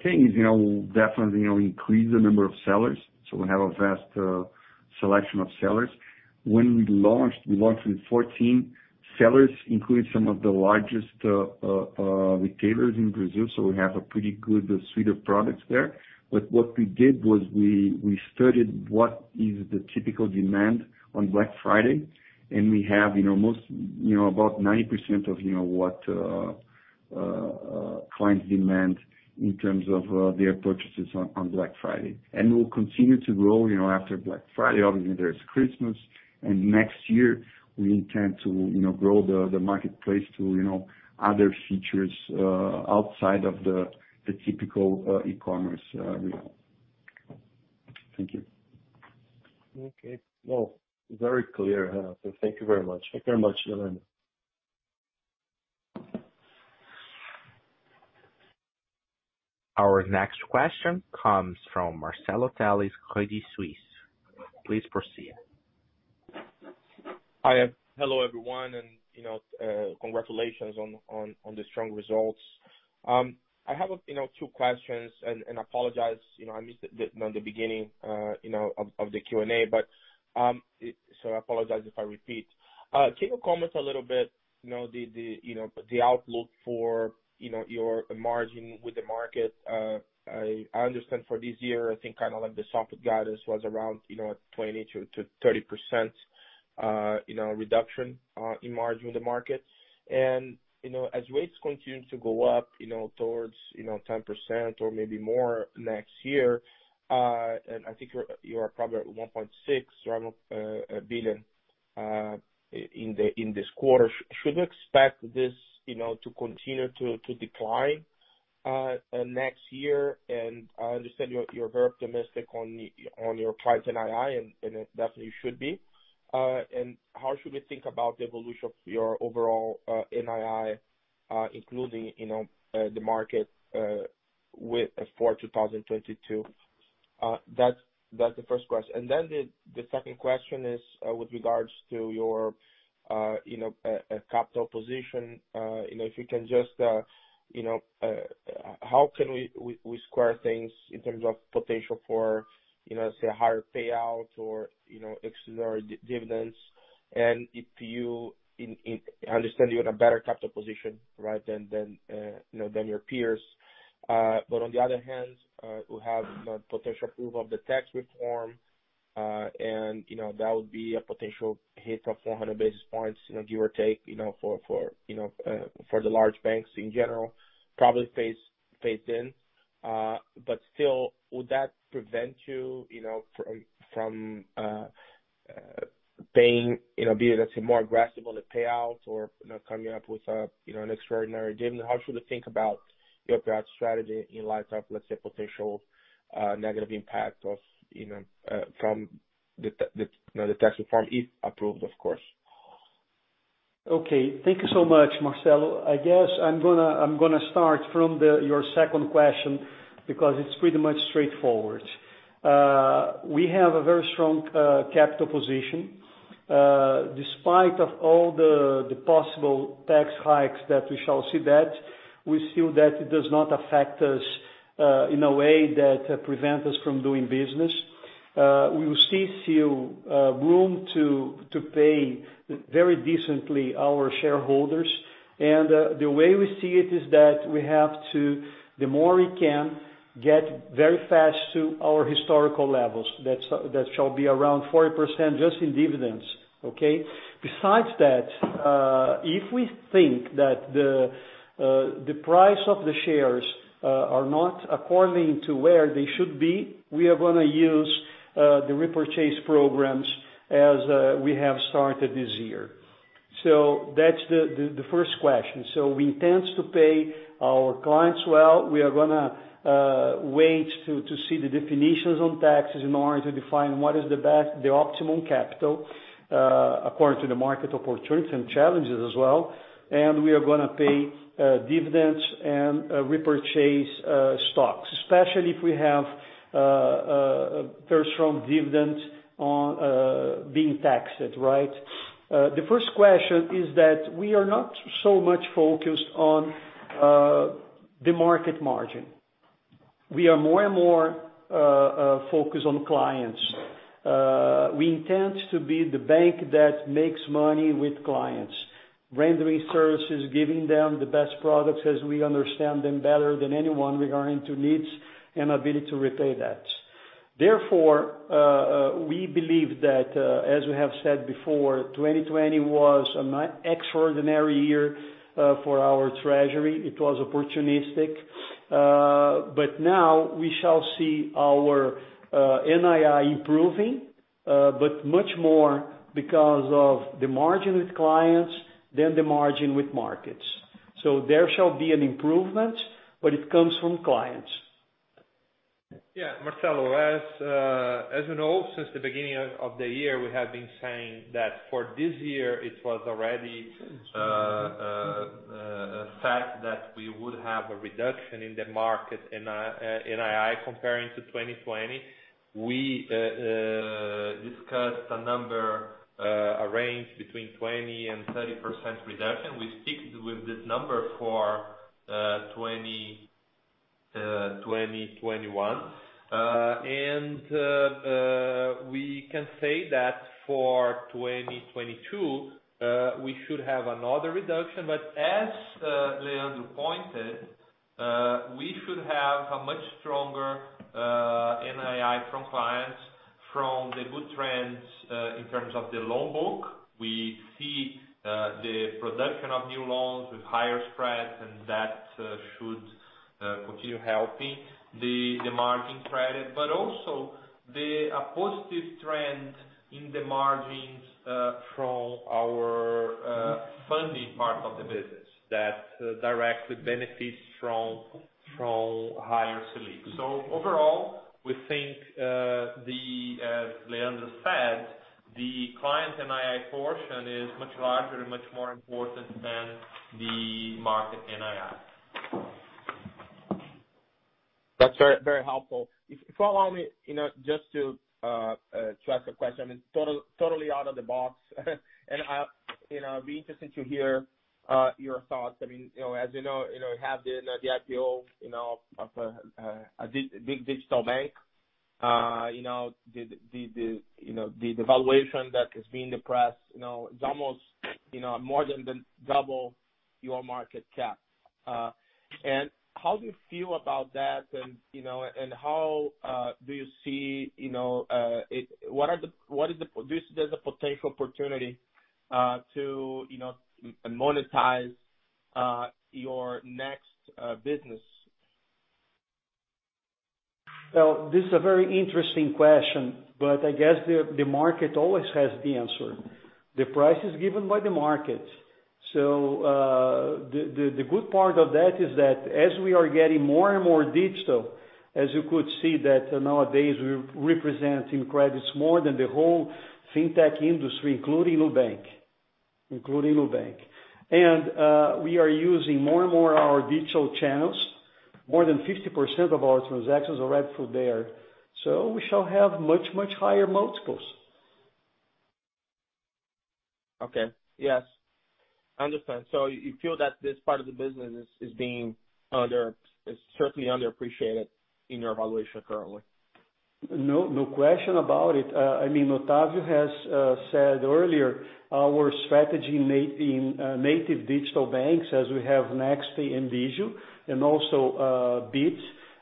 thing is, you know, we'll definitely, you know, increase the number of sellers, so we have a vast selection of sellers. When we launched with 14 sellers, including some of the largest retailers in Brazil, so we have a pretty good suite of products there. What we did was we studied what is the typical demand on Black Friday, and we have, you know, most, you know, about 90% of, you know, what clients demand in terms of their purchases on Black Friday. We'll continue to grow, you know, after Black Friday. Obviously, there's Christmas, and next year we intend to, you know, grow the marketplace to, you know, other features outside of the typical e-commerce we have. Thank you. Okay. No, very clear, Renato. Thank you very much. Our next question comes from Marcelo Telles, Credit Suisse. Please proceed. Hi, hello everyone, you know, congratulations on the strong results. I have two questions and apologize, you know, I missed the beginning of the Q&A, but I apologize if I repeat. Can you comment a little bit, you know, the outlook for your margin with the market? I understand for this year, I think kind of like the Selic guidance was around 20%-30% reduction in margin with the market. You know, as rates continue to go up towards 10% or maybe more next year, and I think you are probably at 1.6 round billion in this quarter. Should we expect this, you know, to continue to decline next year? I understand you're very optimistic on your pricing NII, and it definitely should be. How should we think about the evolution of your overall NII, including, you know, the market rate for 2022? That's the first question. Then the second question is with regards to your, you know, capital position. You know, if you can just, how can we square things in terms of potential for, you know, say, a higher payout or, you know, extraordinary dividends? I understand you're in a better capital position, right, than your peers. On the other hand, we have the potential approval of the tax reform, and, you know, that would be a potential hit of 400 basis points, you know, give or take, you know, for the large banks in general, probably phased in. Still, would that prevent you know, from paying, you know, be it, let's say, more aggressive on the payouts or, you know, coming up with, you know, an extraordinary dividend? How should we think about your capital strategy in light of, let's say, potential negative impact of, you know, from the tax reform, if approved, of course? Okay. Thank you so much, Marcelo. I guess I'm gonna start from your second question because it's pretty much straightforward. We have a very strong capital position. Despite all the possible tax hikes that we shall see, we feel that it does not affect us in a way that prevent us from doing business. We will still see room to pay very decently our shareholders. The way we see it is that the more we can get very fast to our historical levels, that's shall be around 40% just in dividends, okay? Besides that, if we think that the price of the shares are not according to where they should be, we are gonna use the repurchase programs as we have started this year. That's the first question. We intend to pay our clients well. We are gonna wait to see the definitions on taxes in order to define what is the best, the optimum capital according to the market opportunities and challenges as well. We are gonna pay dividends and repurchase stocks, especially if we have very strong dividends on being taxed, right? The first question is that we are not so much focused on the market margin. We are more and more focused on clients. We intend to be the bank that makes money with clients, rendering services, giving them the best products as we understand them better than anyone regarding to needs and ability to repay that. Therefore, we believe that, as we have said before, 2020 was an extraordinary year for our treasury. It was opportunistic. Now we shall see our NII improving, but much more because of the margin with clients than the margin with markets. There shall be an improvement, but it comes from clients. Yeah, Marcelo, as you know, since the beginning of the year, we have been saying that for this year it was already a fact that we would have a reduction in the market NII comparing to 2020. We discussed a number, a range between 20%-30% reduction. We stuck with this number for 2021. We can say that for 2022, we should have another reduction. As Leandro pointed, we should have a much stronger NII from clients from the good trends in terms of the loan book. We see the production of new loans with higher spreads, and that should continue helping the credit margin. A positive trend in the margins from our funding part of the business that directly benefits from higher CLIs. Overall, we think, as Leandro said, the client NII portion is much larger and much more important than the market NII. That's very, very helpful. If you allow me, you know, just to ask a question, I mean, totally out of the box. I, you know, I'd be interested to hear your thoughts. I mean, you know, as you know, you know, we have the IPO, you know, of a big digital bank. You know, the valuation that is being discussed, you know, it's almost, you know, more than double your market cap. How do you feel about that? You know, and how do you see, you know, what is the do you see there's a potential opportunity to, you know, monetize your Next business? This is a very interesting question, but I guess the market always has the answer. The price is given by the market. The good part of that is that as we are getting more and more digital, as you could see that nowadays we're representing credits more than the whole fintech industry, including Nubank. We are using more and more our digital channels. More than 50% of our transactions are right through there. We shall have much higher multiples. Okay. Yes, I understand. You feel that this part of the business is certainly underappreciated in your valuation currently? No, no question about it. I mean, Octavio has said earlier our strategy in native digital banks as we have Next and Digio, and also Bitz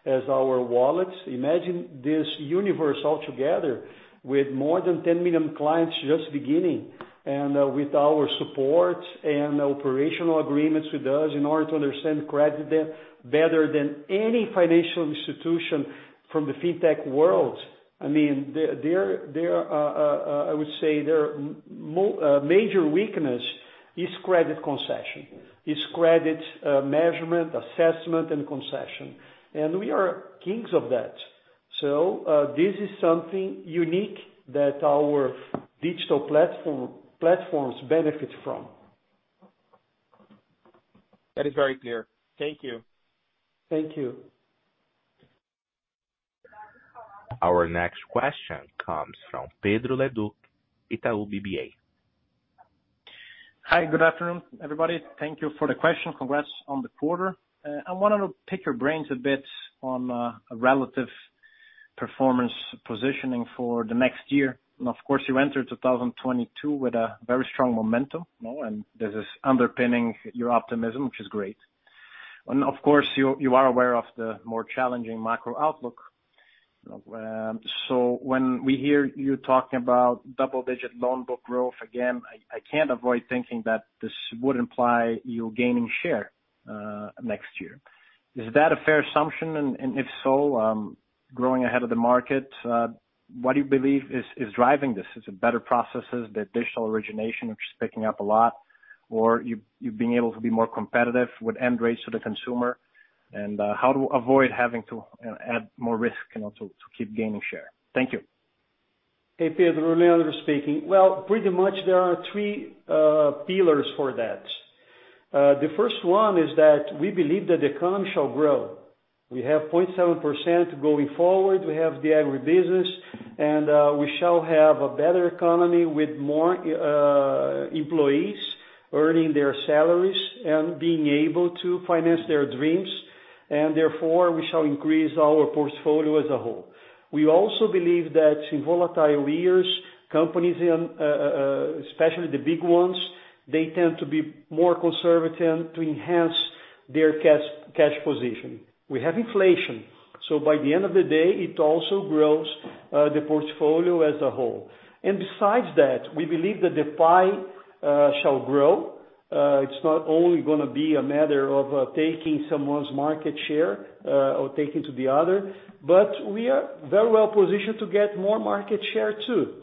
as our wallets. Imagine this universe all together with more than 10 million clients just beginning and with our support and operational agreements with us in order to understand credit debt better than any financial institution from the fintech world. I mean, their I would say their major weakness is credit concession, is credit measurement, assessment and concession. We are kings of that. This is something unique that our digital platforms benefit from. That is very clear. Thank you. Thank you. Our next question comes from Pedro Leduc, Itaú BBA. Hi, good afternoon, everybody. Thank you for the question. Congrats on the quarter. I wanted to pick your brains a bit on a relative performance positioning for the next year. Of course, you entered 2022 with a very strong momentum, you know, and this is underpinning your optimism, which is great. Of course, you are aware of the more challenging macro outlook. When we hear you talking about double-digit loan book growth again, I can't avoid thinking that this would imply you gaining share next year. Is that a fair assumption? If so, growing ahead of the market, what do you believe is driving this? Is it better processes, the digital origination, which is picking up a lot? Or you've been able to be more competitive with end rates to the consumer? How to avoid having to add more risk, you know, to keep gaining share. Thank you. Hey, Pedro. Leandro speaking. Well, pretty much there are three pillars for that. The first one is that we believe that the economy shall grow. We have 0.7% going forward. We have the agribusiness and we shall have a better economy with more employees earning their salaries and being able to finance their dreams. Therefore, we shall increase our portfolio as a whole. We also believe that in volatile years, companies, especially the big ones, tend to be more conservative to enhance their cash position. We have inflation, so by the end of the day, it also grows the portfolio as a whole. Besides that, we believe that the pie shall grow. It's not only gonna be a matter of taking someone's market share or taking to the other, but we are very well positioned to get more market share too.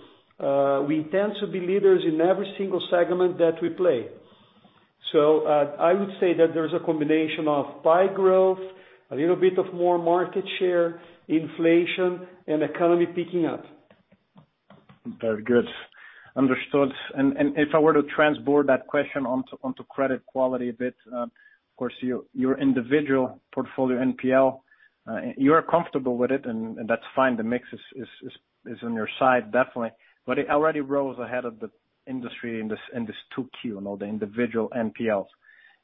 We tend to be leaders in every single segment that we play. I would say that there's a combination of pie growth, a little bit of more market share, inflation and economy picking up. Very good. Understood. If I were to transport that question onto credit quality a bit, of course your individual portfolio NPL, you're comfortable with it, and that's fine. The mix is on your side, definitely. It already rose ahead of the industry in this 2Q, you know, the individual NPLs.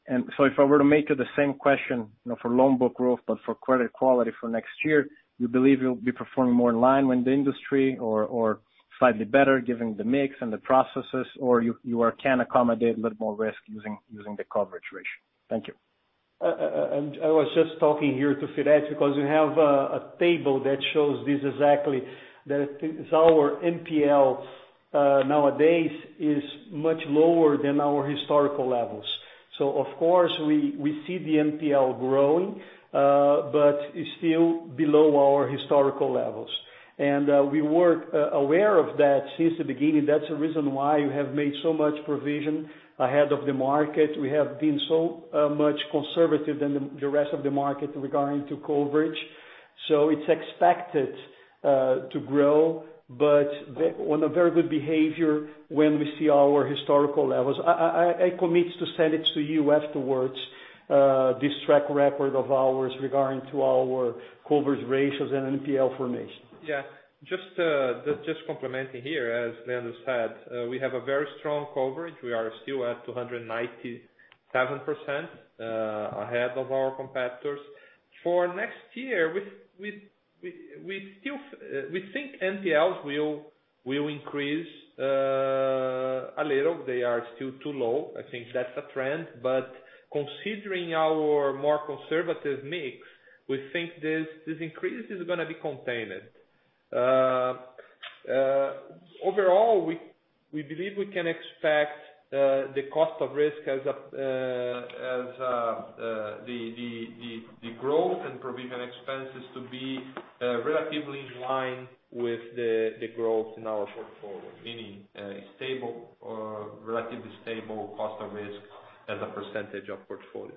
If I were to make the same question, you know, for loan book growth, but for credit quality for next year, you believe you'll be performing more in line with the industry or slightly better given the mix and the processes, or you can accommodate a little more risk using the coverage ratio. Thank you. I was just talking here to Fred, because we have a table that shows this exactly, that it is our NPL nowadays is much lower than our historical levels. Of course we see the NPL growing, but it's still below our historical levels. We were aware of that since the beginning. That's the reason why you have made so much provision ahead of the market. We have been so much conservative than the rest of the market regarding to coverage. It's expected to grow, but very good behavior when we see our historical levels. I commit to send it to you afterwards this track record of ours regarding to our coverage ratios and NPL formation. Yeah. Just complementing here, as Leandro said, we have a very strong coverage. We are still at 297%, ahead of our competitors. For next year, we still think NPLs will increase a little. They are still too low. I think that's a trend. Considering our more conservative mix, we think this increase is gonna be contained. Overall, we believe we can expect the cost of risk as the growth and provision expenses to be relatively in line with the growth in our portfolio, meaning stable or relatively stable cost of risk as a percentage of portfolio.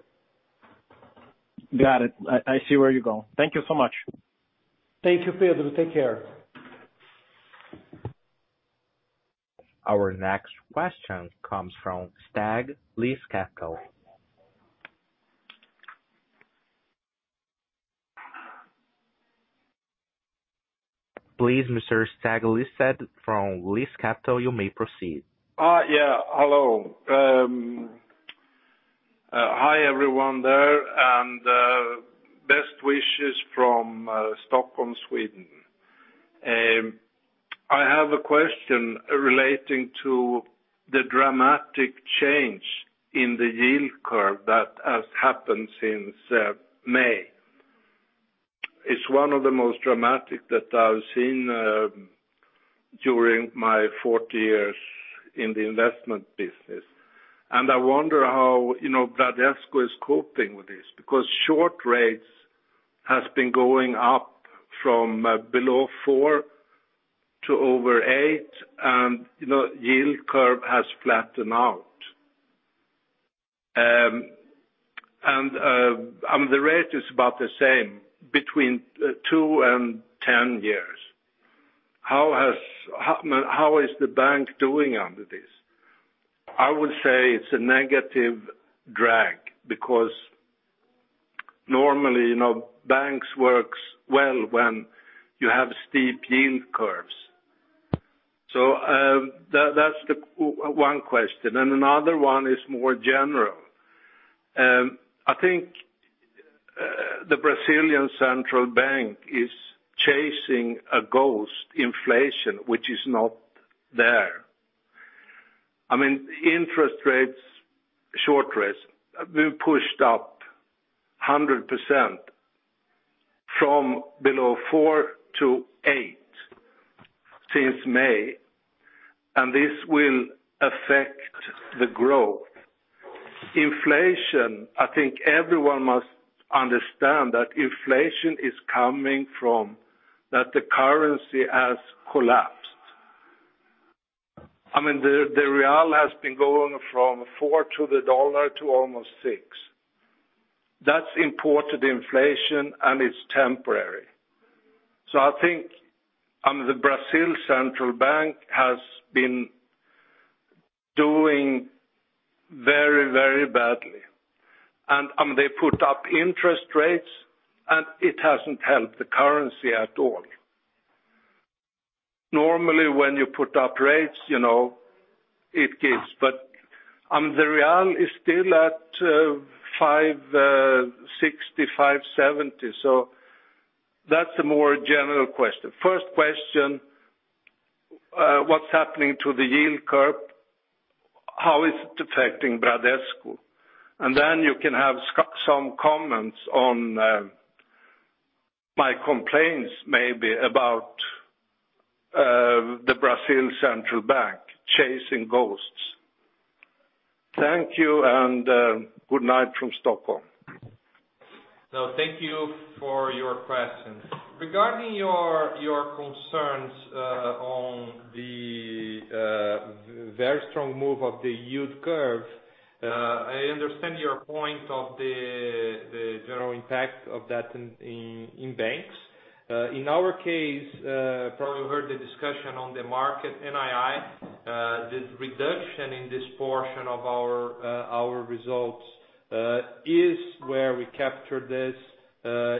Got it. I see where you're going. Thank you so much. Thank you, Pedro. Take care. Our next question comes from Stig Lystedt. Please, Mr. Stig Lystedt from LysCapital, you may proceed. Hello. Hi, everyone there, and best wishes from Stockholm, Sweden. I have a question relating to the dramatic change in the yield curve that has happened since May. It's one of the most dramatic that I've seen during my 40 years in the investment business. I wonder how, you know, Bradesco is coping with this, because short rates has been going up from below four to over eight. You know, yield curve has flattened out. The rate is about the same between two and 10 years. How is the bank doing under this? I would say it's a negative drag because normally, you know, banks works well when you have steep yield curves. That’s the one question and another one is more general. I think the Central Bank of Brazil is chasing a ghost inflation, which is not there. I mean, interest rates, short rates have been pushed up 100% from below four to eight since May, and this will affect the growth. Inflation, I think everyone must understand that inflation is coming from that the currency has collapsed. I mean, the real has been going from four to the U.S. dollar to almost six. That's imported inflation, and it's temporary. I think the Central Bank of Brazil has been doing very, very badly. They put up interest rates, and it hasn't helped the currency at all. Normally, when you put up rates, you know, it gives, but the real is still at 5.60, 5.70. That's a more general question. First question, what's happening to the yield curve? How is it affecting Bradesco? Then you can have some comments on my complaints maybe about the Central Bank of Brazil chasing ghosts. Thank you, and good night from Stockholm. Thank you for your questions. Regarding your concerns on the very strong move of the yield curve, I understand your point of the general impact of that in banks. In our case, probably you heard the discussion on the market NII. The reduction in this portion of our results is where we capture this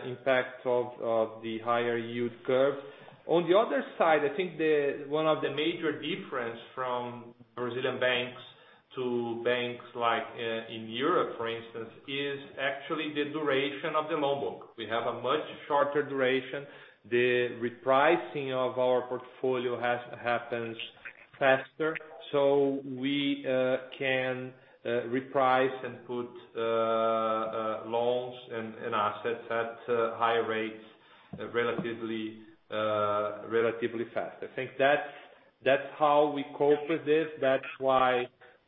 impact of the higher yield curve. On the other side, I think one of the major difference from Brazilian banks to banks like in Europe, for instance, is actually the duration of the loan book. We have a much shorter duration. The repricing of our portfolio happens faster, so we can reprice and put loans and assets at higher rates relatively faster. I think that's how we cope with this. That's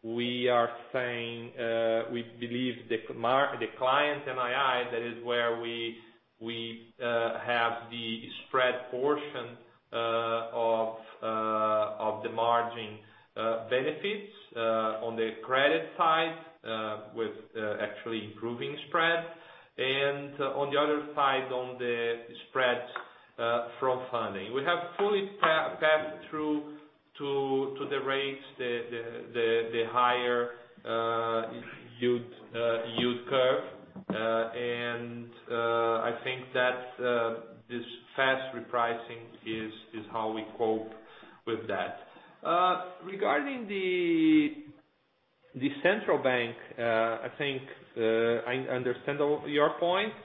why we are saying we believe the client NII, that is where we have the spread portion of the margin benefits on the credit side with actually improving spread. On the other side, on the spread from funding. We have fully passed through to the rates the higher yield curve. I think that this fast repricing is how we cope with that. Regarding the central bank, I think I understand all your points.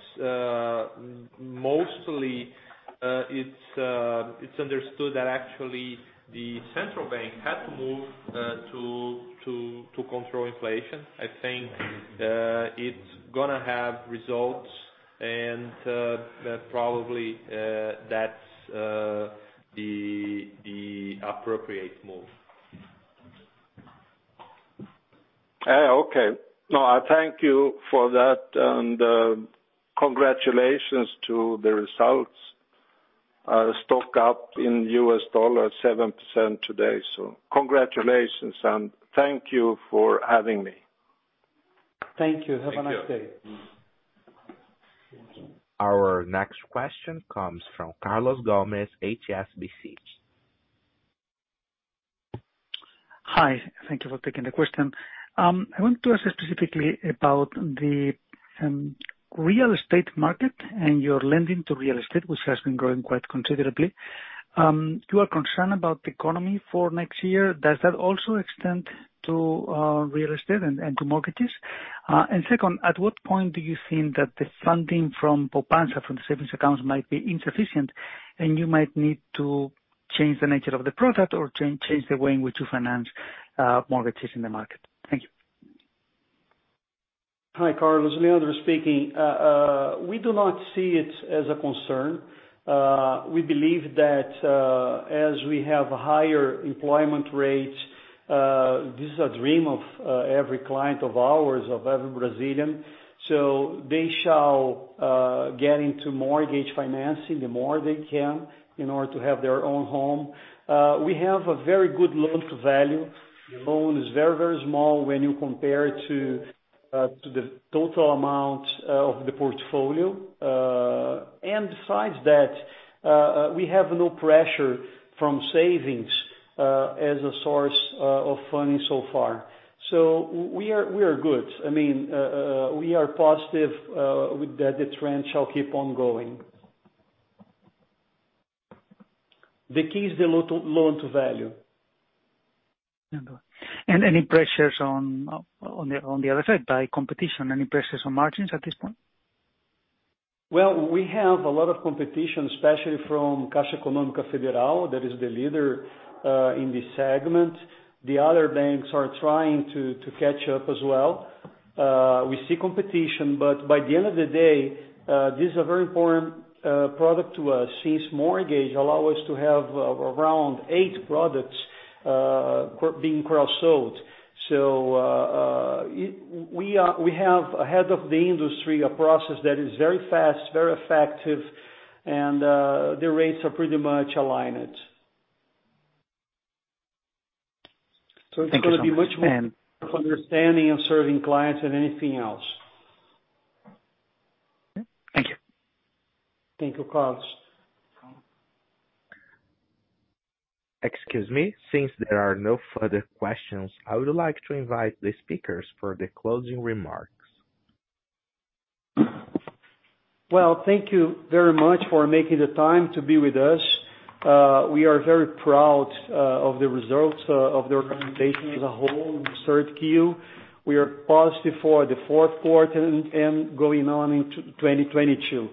Mostly, it's understood that actually the central bank had to move to control inflation. I think it's gonna have results and probably that's the appropriate move. Okay. No, I thank you for that, and, congratulations to the results. Stock up in U.S. dollar 7% today. Congratulations, and thank you for having me. Thank you. Have a nice day. Thank you. Our next question comes from Carlos Gomez-Lopez, HSBC. Hi. Thank you for taking the question. I want to ask specifically about the real estate market and your lending to real estate, which has been growing quite considerably. You are concerned about the economy for next year. Does that also extend to real estate and to mortgages? Second, at what point do you think that the funding from Poupança, from the savings accounts might be insufficient and you might need to change the nature of the product or change the way in which you finance mortgages in the market? Thank you. Hi, Carlos. Leandro speaking. We do not see it as a concern. We believe that, as we have higher employment rates, this is a dream of every client of ours, of every Brazilian. They shall get into mortgage financing the more they can in order to have their own home. We have a very good loan to value. The loan is very, very small when you compare to the total amount of the portfolio. Besides that, we have no pressure from savings as a source of funding so far. We are good. I mean, we are positive with that the trend shall keep on going. The key is the loan to value. Any pressures on the other side by competition? Any pressures on margins at this point? Well, we have a lot of competition, especially from Caixa Econômica Federal, that is the leader in this segment. The other banks are trying to catch up as well. We see competition, but by the end of the day, this is a very important product to us since mortgage allow us to have around eight products being cross-sold. We have ahead of the industry a process that is very fast, very effective, and the rates are pretty much aligned. Thank you so much. It's gonna be much more understanding and serving clients than anything else. Thank you. Thank you, Carlos. Excuse me. Since there are no further questions, I would like to invite the speakers for the closing remarks. Well, thank you very much for making the time to be with us. We are very proud of the results of the organization as a whole in the third Q. We are positive for the fourth quarter and going on into 2022.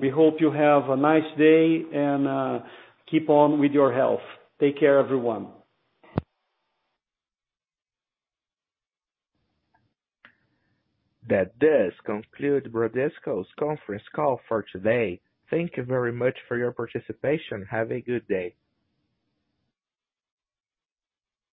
We hope you have a nice day and keep on with your health. Take care everyone. That does conclude Bradesco's conference call for today. Thank you very much for your participation. Have a good day.